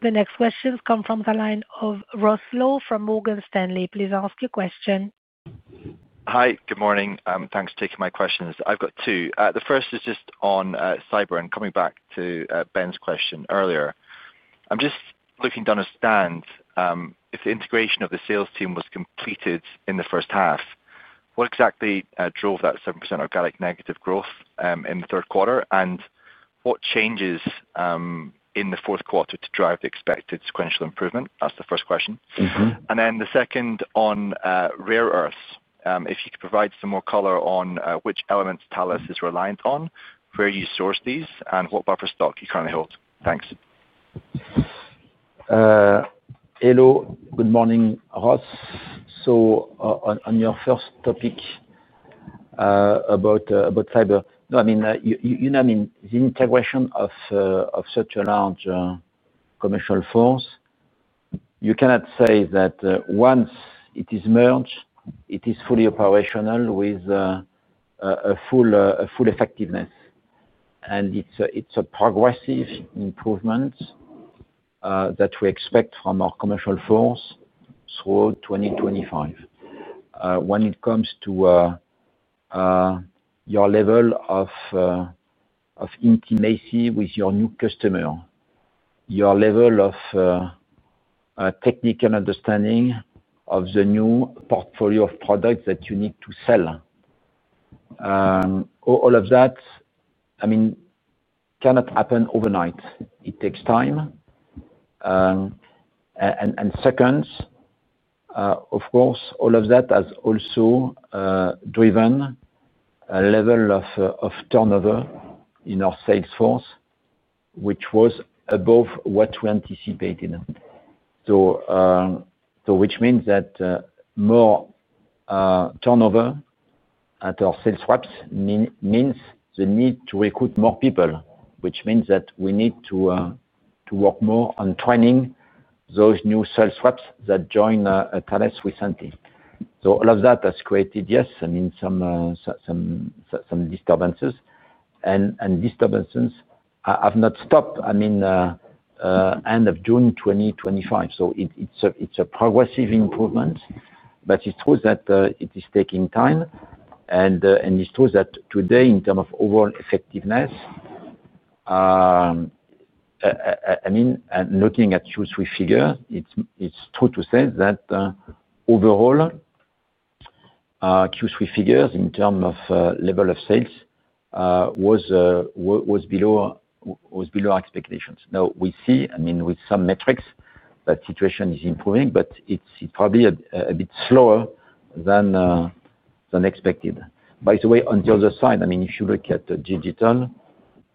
The next question has come from the line of Ross Law from Morgan Stanley. Please ask your question. Hi. Good morning. Thanks for taking my questions. I've got two. The first is just on cyber and coming back to Ben's question earlier. I'm just looking to understand if the integration of the sales team was completed in the first half. What exactly drove that 7% organic negative growth in the third quarter? What changes in the fourth quarter to drive the expected sequential improvement? That's the first question. The second on rare earths. If you could provide some more color on which elements Thales is reliant on, where you source these, and what buffer stock you currently hold. Thanks. Hello. Good morning, Ross. On your first topic about cyber, no, the integration of such a large commercial force, you cannot say that once it is merged, it is fully operational with full effectiveness. It's a progressive improvement that we expect from our commercial force through 2025. When it comes to your level of intimacy with your new customer, your level of technical understanding of the new portfolio of products that you need to sell, all of that cannot happen overnight. It takes time. All of that has also driven a level of turnover in our sales force, which was above what we anticipated. That means more turnover at our sales reps. The need to recruit more people, which means that we need to work more on training those new sales reps that join Thales recently. All of that has created, yes, some disturbances. Disturbances have not stopped, I mean, end of June 2025. It is a progressive improvement. It is true that it is taking time. It is true that today, in terms of overall effectiveness, looking at Q3 figures, it is true to say that, overall, Q3 figures, in terms of level of sales, was below our expectations. Now, we see with some metrics that situation is improving, but it is probably a bit slower than expected. By the way, on the other side, if you look at digital,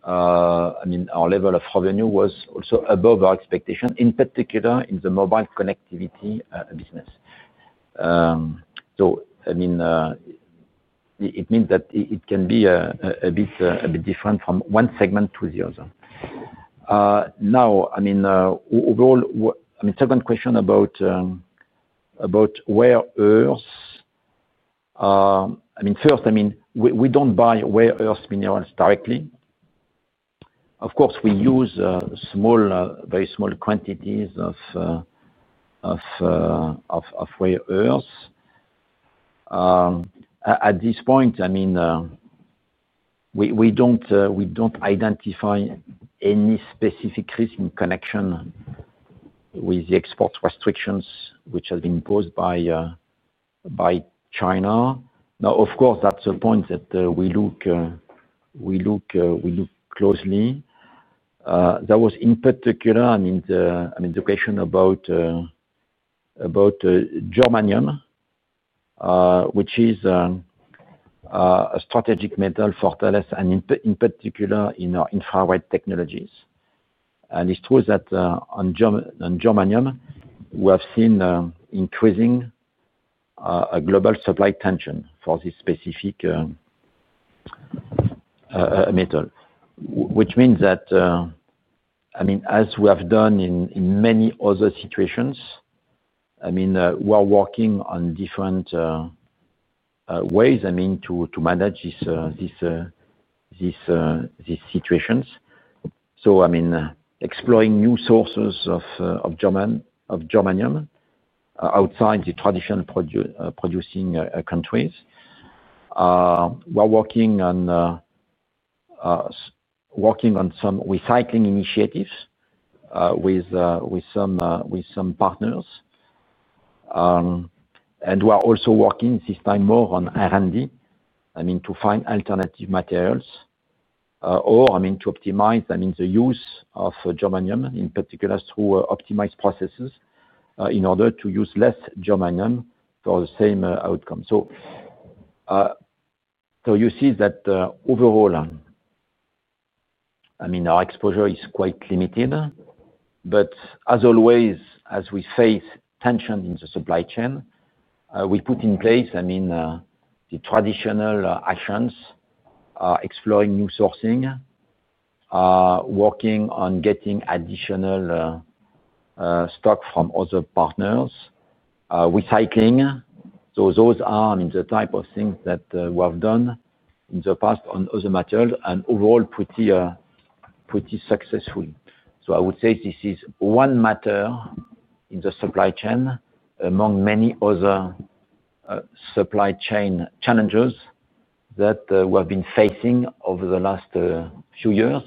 our level of revenue was also above our expectation, in particular in the mobile connectivity business. It means that it can be a bit different from one segment to the other. Now, overall, second question about rare earths, first, we do not buy rare earth minerals directly. Of course, we use small, very small quantities of rare earths. At this point, we do not identify any specific risk in connection with the export restrictions which have been imposed by China. Of course, that is a point that we look closely. That was in particular the question about germanium, which is a strategic metal for Thales, and in particular in our infrared technologies. It is true that, on germanium, we have seen increasing global supply tension for this specific metal, which means that, as we have done in many other situations, we are working on different ways to manage these situations. Exploring new sources of germanium outside the traditional producing countries. We are working on some recycling initiatives with some partners. We are also working this time more on R&D to find alternative materials, or to optimize the use of germanium, in particular through optimized processes, in order to use less germanium for the same outcome. You see that, overall, our exposure is quite limited. As always, as we face tension in the supply chain, we put in place the traditional actions, exploring new sourcing, working on getting additional stock from other partners, recycling. Those are the type of things that we have done in the past on other materials, and overall, pretty successfully. I would say this is one matter in the supply chain among many other supply chain challenges that we have been facing over the last few years.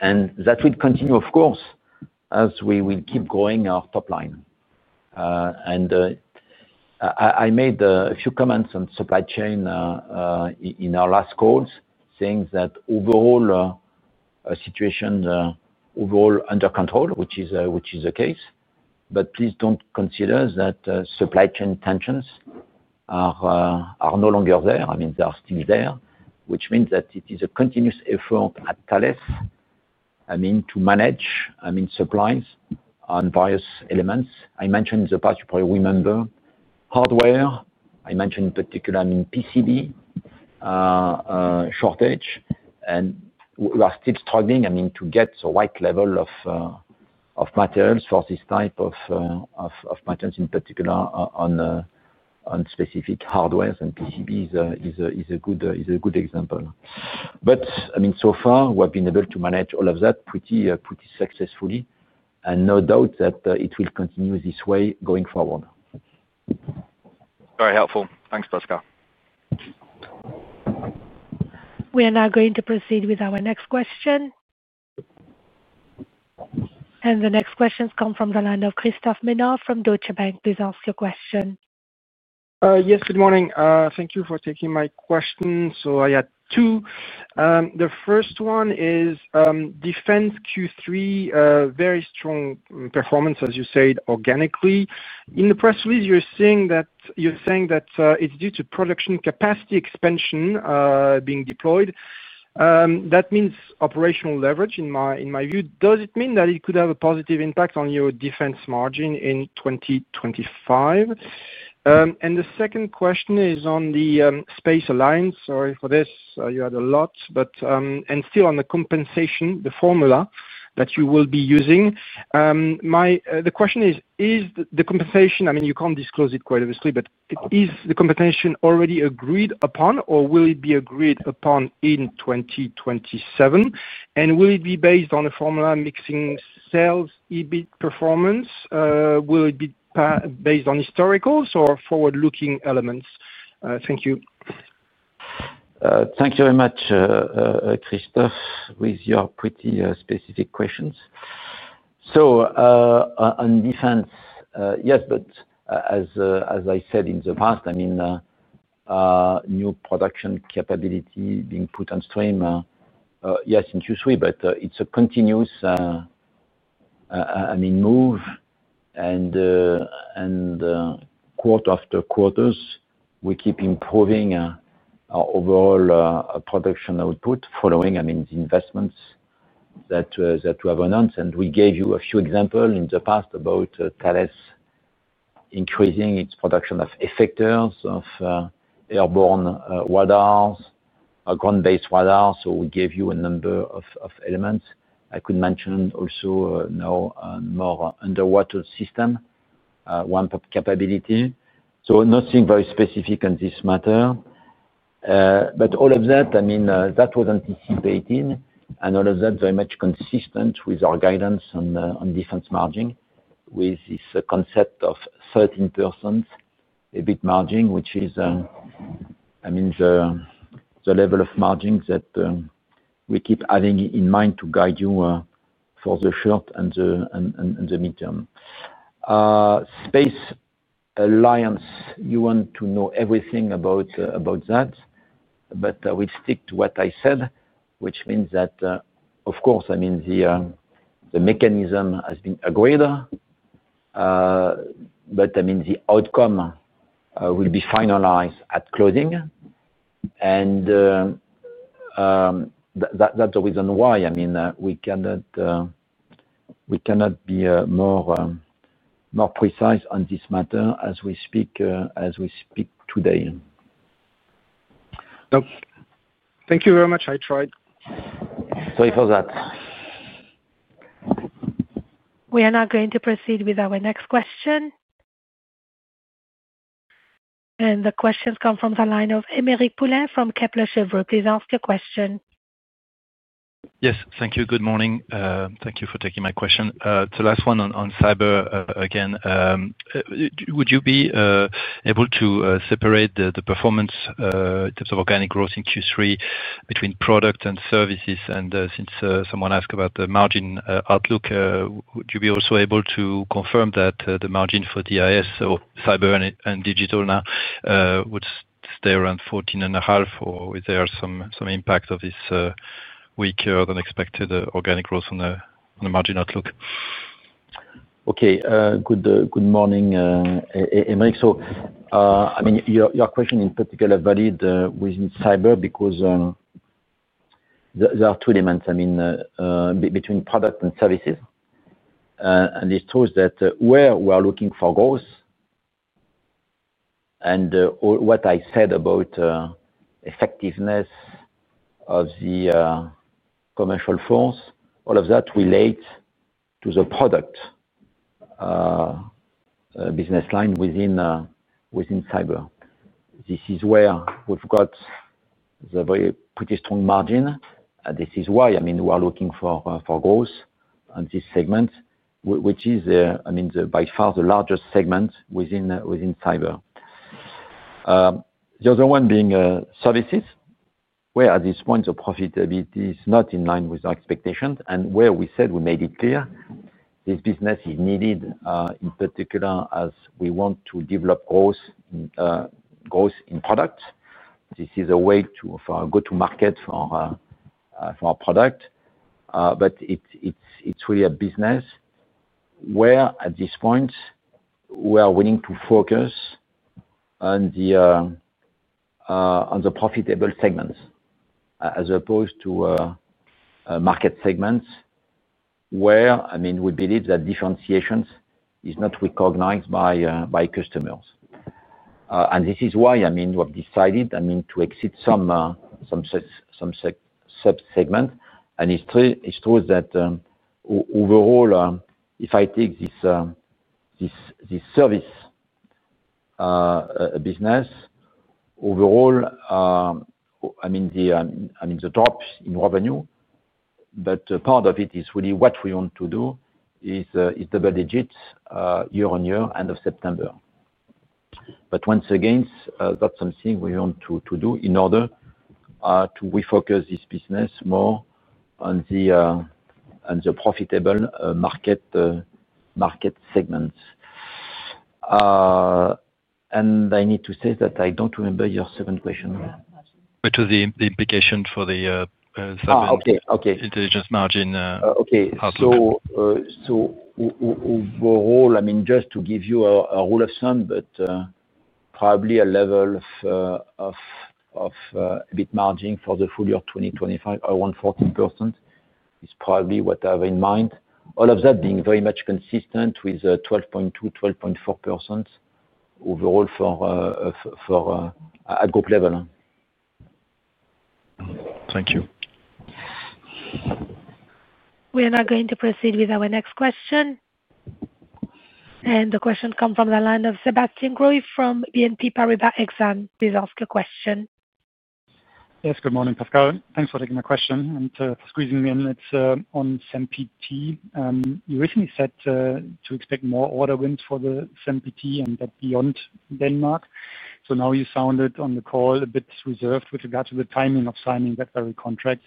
That will continue, of course, as we will keep growing our top line. I made a few comments on supply chain in our last calls, saying that overall, the situation is overall under control, which is the case. Please don't consider that supply chain tensions are no longer there. They are still there, which means that it is a continuous effort at Thales to manage supplies on various elements. I mentioned in the past, you probably remember, hardware. I mentioned in particular PCB shortage. We are still struggling to get the right level of materials for this type of metals in particular on specific hardware. PCB is a good example. So far, we have been able to manage all of that pretty successfully. No doubt that it will continue this way going forward. Very helpful. Thanks, Pascal. We are now going to proceed with our next question. The next questions come from the line of Christophe Menard from Deutsche Bank. Please ask your question. Yes, good morning. Thank you for taking my question. I had two. The first one is, defense Q3, very strong performance, as you said, organically. In the press release, you're saying that it's due to production capacity expansion being deployed. That means operational leverage, in my view. Does it mean that it could have a positive impact on your defense margin in 2025? The second question is on the space alliance. Sorry for this. You had a lot, but still on the compensation, the formula that you will be using. The question is, is the compensation, I mean, you can't disclose it quite obviously, but is the compensation already agreed upon, or will it be agreed upon in 2027? Will it be based on a formula mixing sales, EBIT performance? Will it be based on historicals or forward-looking elements? Thank you. Thank you very much, Christophe, with your pretty specific questions. On Defense, yes, as I said in the past, new production capability being put on stream, yes, in Q3, but it's a continuous move. Quarter after quarter, we keep improving our overall production output following the investments that we have announced. We gave you a few examples in the past about Thales increasing its production of effectors, of airborne radars, ground-based radars. We gave you a number of elements. I could mention also now more underwater system ramp-up capability. Nothing very specific in this matter, but all of that was anticipated. All of that is very much consistent with our guidance on defense margin, with this concept of 13% EBIT margin, which is the level of margin that we keep having in mind to guide you for the short and the midterm. Space alliance, you want to know everything about that. We'll stick to what I said, which means that, of course, the mechanism has been agreed, but the outcome will be finalized at closing. That's the reason why we cannot be more precise on this matter as we speak today. No, thank you very much. I tried. Great for that. We are now going to proceed with our next question. The questions come from the line of Aymeric Poulain from Kepler Chevreux. Please ask your question. Yes, thank you. Good morning. Thank you for taking my question. It's the last one on Cyber, again. Would you be able to separate the performance in terms of organic growth in Q3 between product and services? Since someone asked about the margin outlook, would you be also able to confirm that the margin for DIS, so Cyber and Digital now, would stay around 14.5%, or is there some impact of this weaker than expected organic growth on the margin outlook? Okay. Good morning, Aymeric. Your question in particular is valid within cyber because there are two elements between product and services. It shows that where we are looking for growth and all what I said about effectiveness of the commercial force, all of that relates to the product business line within cyber. This is where we've got the very pretty strong margin. This is why we are looking for growth on this segment, which is by far the largest segment within cyber. The other one being services, where at this point, the profitability is not in line with our expectations and where we said we made it clear this business is needed, in particular as we want to develop growth in product. This is a way to go to market for our product. It's really a business where at this point, we are willing to focus on the profitable segments, as opposed to market segments where we believe that differentiation is not recognized by customers. This is why we have decided to exit some sub-segment. It's true that overall, if I take this service business overall, the drop in revenue, but part of it is really what we want to do is double-digit, year-on-year, end of September. Once again, that's something we want to do in order to refocus this business more on the profitable market segments. I need to say that I don't remember your second question. What was the implication for the cyber? Okay. Okay. Intelligence margin, outlook. Okay. Overall, I mean, just to give you a rule of thumb, probably a level of EBIT margin for the full year 2025, around 14% is probably what I have in mind. All of that being very much consistent with 12.2%, 12.4% overall at group level. Thank you. We are now going to proceed with our next question. The questions come from the line of Sebastian Growe from BNP Paribas Exane. Please ask your question. Yes, good morning, Pascal. Thanks for taking my question and for squeezing me in on SAMP/T you recently said to expect more order wins the SAMP/T, and that beyond Denmark. Now you sounded on the call a bit reserved with regard to the timing of signing that very contract.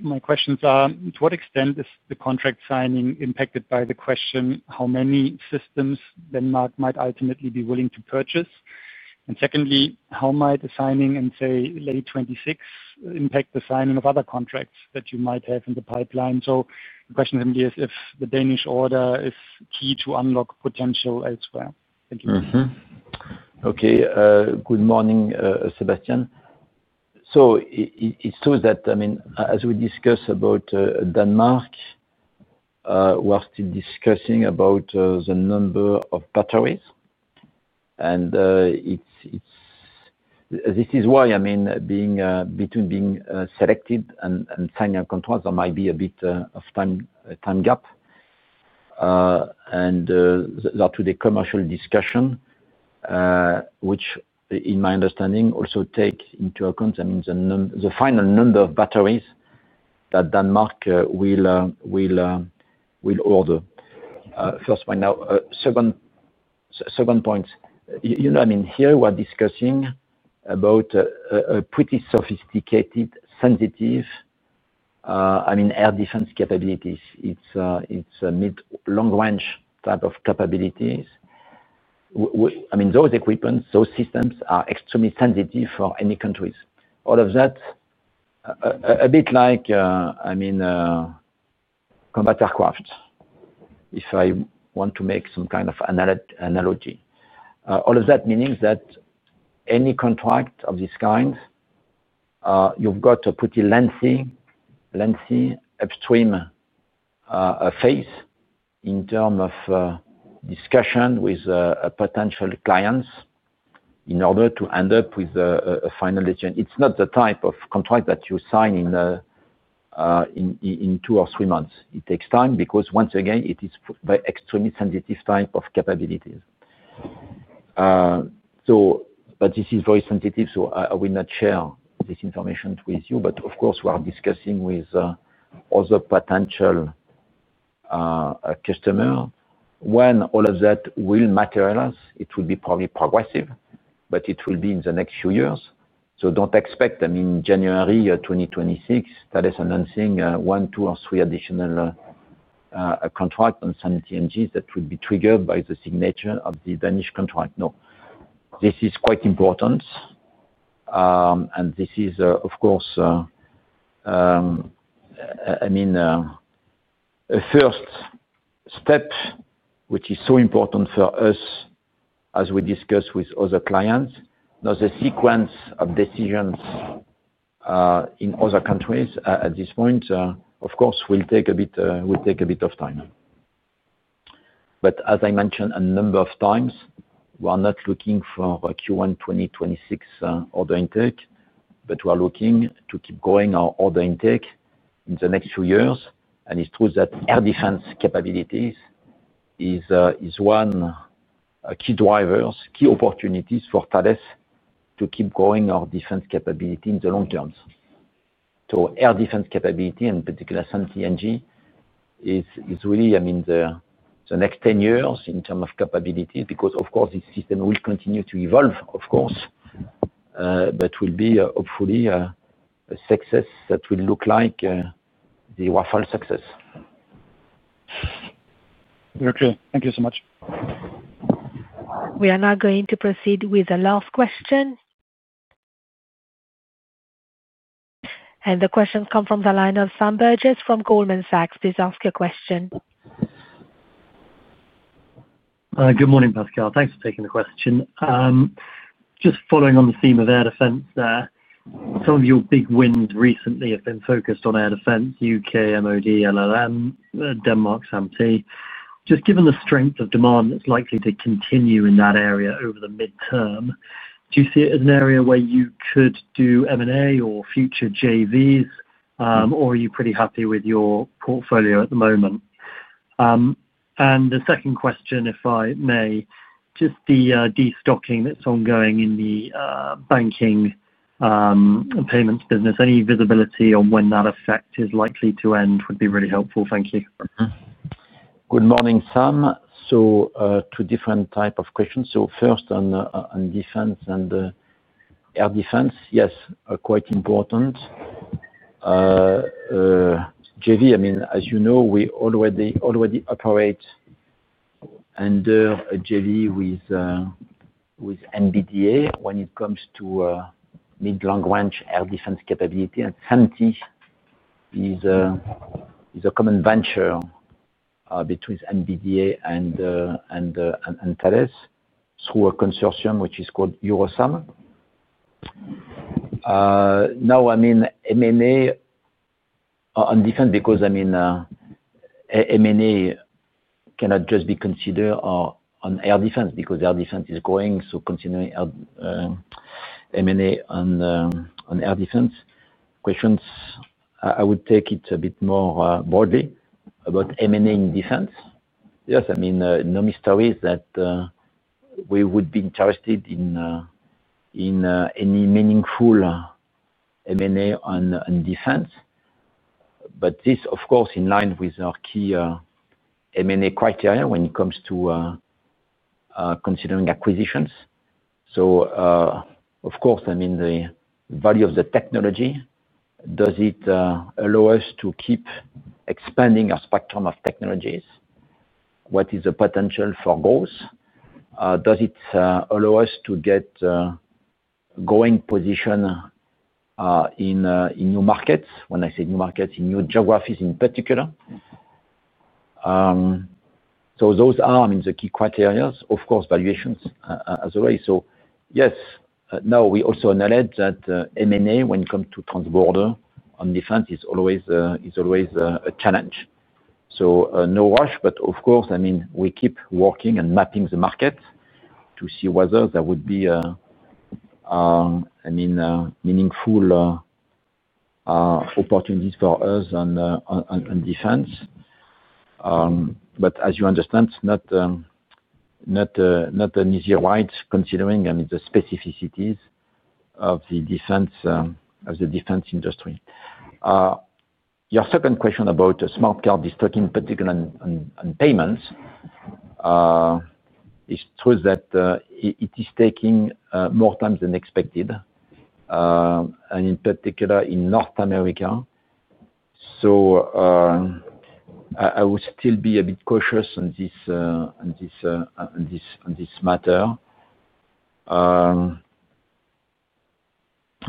My questions are, to what extent is the contract signing impacted by the question how many systems Denmark might ultimately be willing to purchase? Secondly, how might the signing in, say, late 2026 impact the signing of other contracts that you might have in the pipeline? The question simply is if the Danish order is key to unlock potential elsewhere. Thank you. Okay, good morning, Sebastian. It shows that, as we discuss about Denmark, we are still discussing about the number of batteries. This is why, between being selected and signing a contract, there might be a bit of a time gap. That would be a commercial discussion, which, in my understanding, also takes into account the final number of batteries that Denmark will order. First point. Now, second point. You know, here we are discussing about a pretty sophisticated, sensitive air defense capability. It's a mid-long-range type of capability. Those equipments, those systems are extremely sensitive for any countries. All of that, a bit like combat aircraft, if I want to make some kind of analogy. All of that meaning that any contract of this kind, you've got a pretty lengthy upstream phase in terms of discussion with potential clients in order to end up with a final agenda. It's not the type of contract that you sign in two or three months. It takes time because, once again, it is a very extremely sensitive type of capability. This is very sensitive, so I will not share this information with you. Of course, we are discussing with other potential customers. When all of that will materialize, it will be probably progressive, but it will be in the next few years. Don't expect January 2026, Thales announcing one, two, or three additional contracts SAMP/T NGs that would be triggered by the signature of the Danish contract. No. This is quite important. This is, of course, a first step, which is so important for us as we discuss with other clients. Now, the sequence of decisions in other countries, at this point, of course, will take a bit of time. As I mentioned a number of times, we are not looking for a Q1 2026 order intake, but we are looking to keep growing our order intake in the next few years. It's true that air defense capability is one key driver, key opportunity for Thales to keep growing our defense capability in the long term. Air defense capability, in SAMP/T NG, is really the next 10 years in terms of capability because, of course, this system will continue to evolve, but will be, hopefully, a success that will look like the Rafale success. Okay, thank you so much. We are now going to proceed with the last question. The questions come from the line of Sam Burgess from Goldman Sachs. Please ask your question. Good morning, Pascal. Thanks for taking the question. Just following on the theme of Air Defense there, some of your big wins recently have been focused on air defense, U.K. MOD, LMM denmark SAMP/T NG. just given the strength of demand that's likely to continue in that area over the midterm, do you see it as an area where you could do M&A or future JVs? Or are you pretty happy with your portfolio at the moment? The second question, if I may, just the destocking that's ongoing in the banking and payments business. Any visibility on when that effect is likely to end would be really helpful. Thank you. Good morning, Sam. Two different types of questions. First, on Defense and Air Defense. Yes, quite important. JV, as you know, we already operate under a JV with MBDA when it comes to mid-long-range air defense capability. [Sempeti] is a common venture between MBDA and Thales through a consortium which is called Eurosam. M&A on defense, because M&A cannot just be considered on air defense because air defense is growing. Considering M&A on air defense questions, I would take it a bit more broadly about M&A in Defense. No mystery is that we would be interested in any meaningful M&A on Defense. This, of course, in line with our key M&A criteria when it comes to considering acquisitions. The value of the technology, does it allow us to keep expanding our spectrum of technologies? What is the potential for growth? Does it allow us to get a growing position in new markets? When I say new markets, in new geographies in particular. Those are the key criteria. Of course, valuations, as always. We also acknowledge that M&A, when it comes to transborder on defense, is always a challenge. No rush, but we keep working and mapping the market to see whether there would be meaningful opportunities for us on defense. As you understand, it's not an easy ride considering the specificities of the defense industry. Your second question about smart card destocking, in particular on payments, it shows that it is taking more time than expected, and in particular in North America. I would still be a bit cautious on this matter.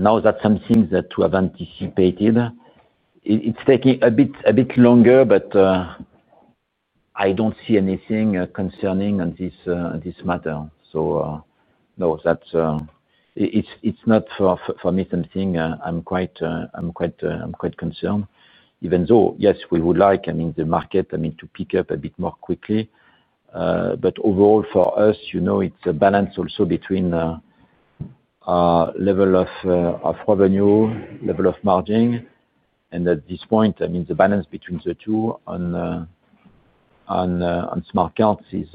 That's something that we have anticipated, it's taking a bit longer, but I don't see anything concerning on this matter. It's not for me something I'm quite concerned. Even though, yes, we would like the market to pick up a bit more quickly. Overall, for us, it's a balance also between level of revenue, level of margin. At this point, the balance between the two on smart cards is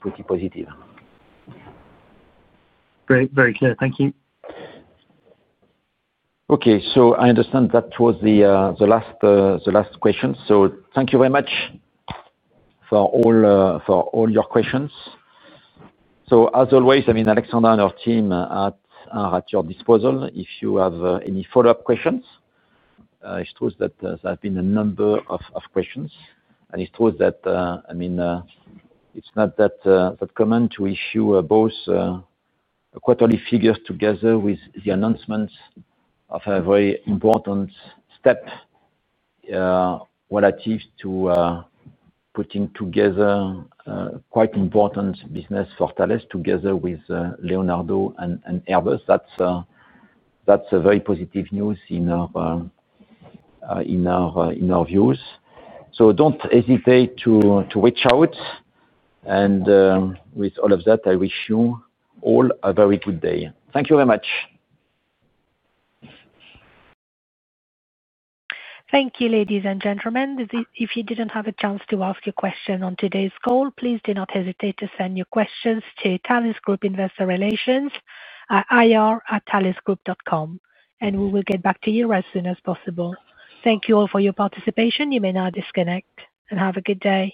pretty positive. Very, very clear. Thank you. Okay. I understand that was the last question. Thank you very much for all your questions. As always, Alexandra Boucheron and our team are at your disposal if you have any follow-up questions. It shows that there have been a number of questions, and it shows that it's not that common to issue both quarterly figures together with the announcements of a very important step relative to putting together quite important business for Thales, together with Leonardo and Airbus. That's very positive news in our views. Don't hesitate to reach out. With all of that, I wish you all a very good day. Thank you very much. Thank you, ladies and gentlemen. If you didn't have a chance to ask your question on today's call, please do not hesitate to send your questions to Thales Group Investor Relations at ir@thalesgroup.com. We will get back to you as soon as possible. Thank you all for your participation. You may now disconnect and have a good day.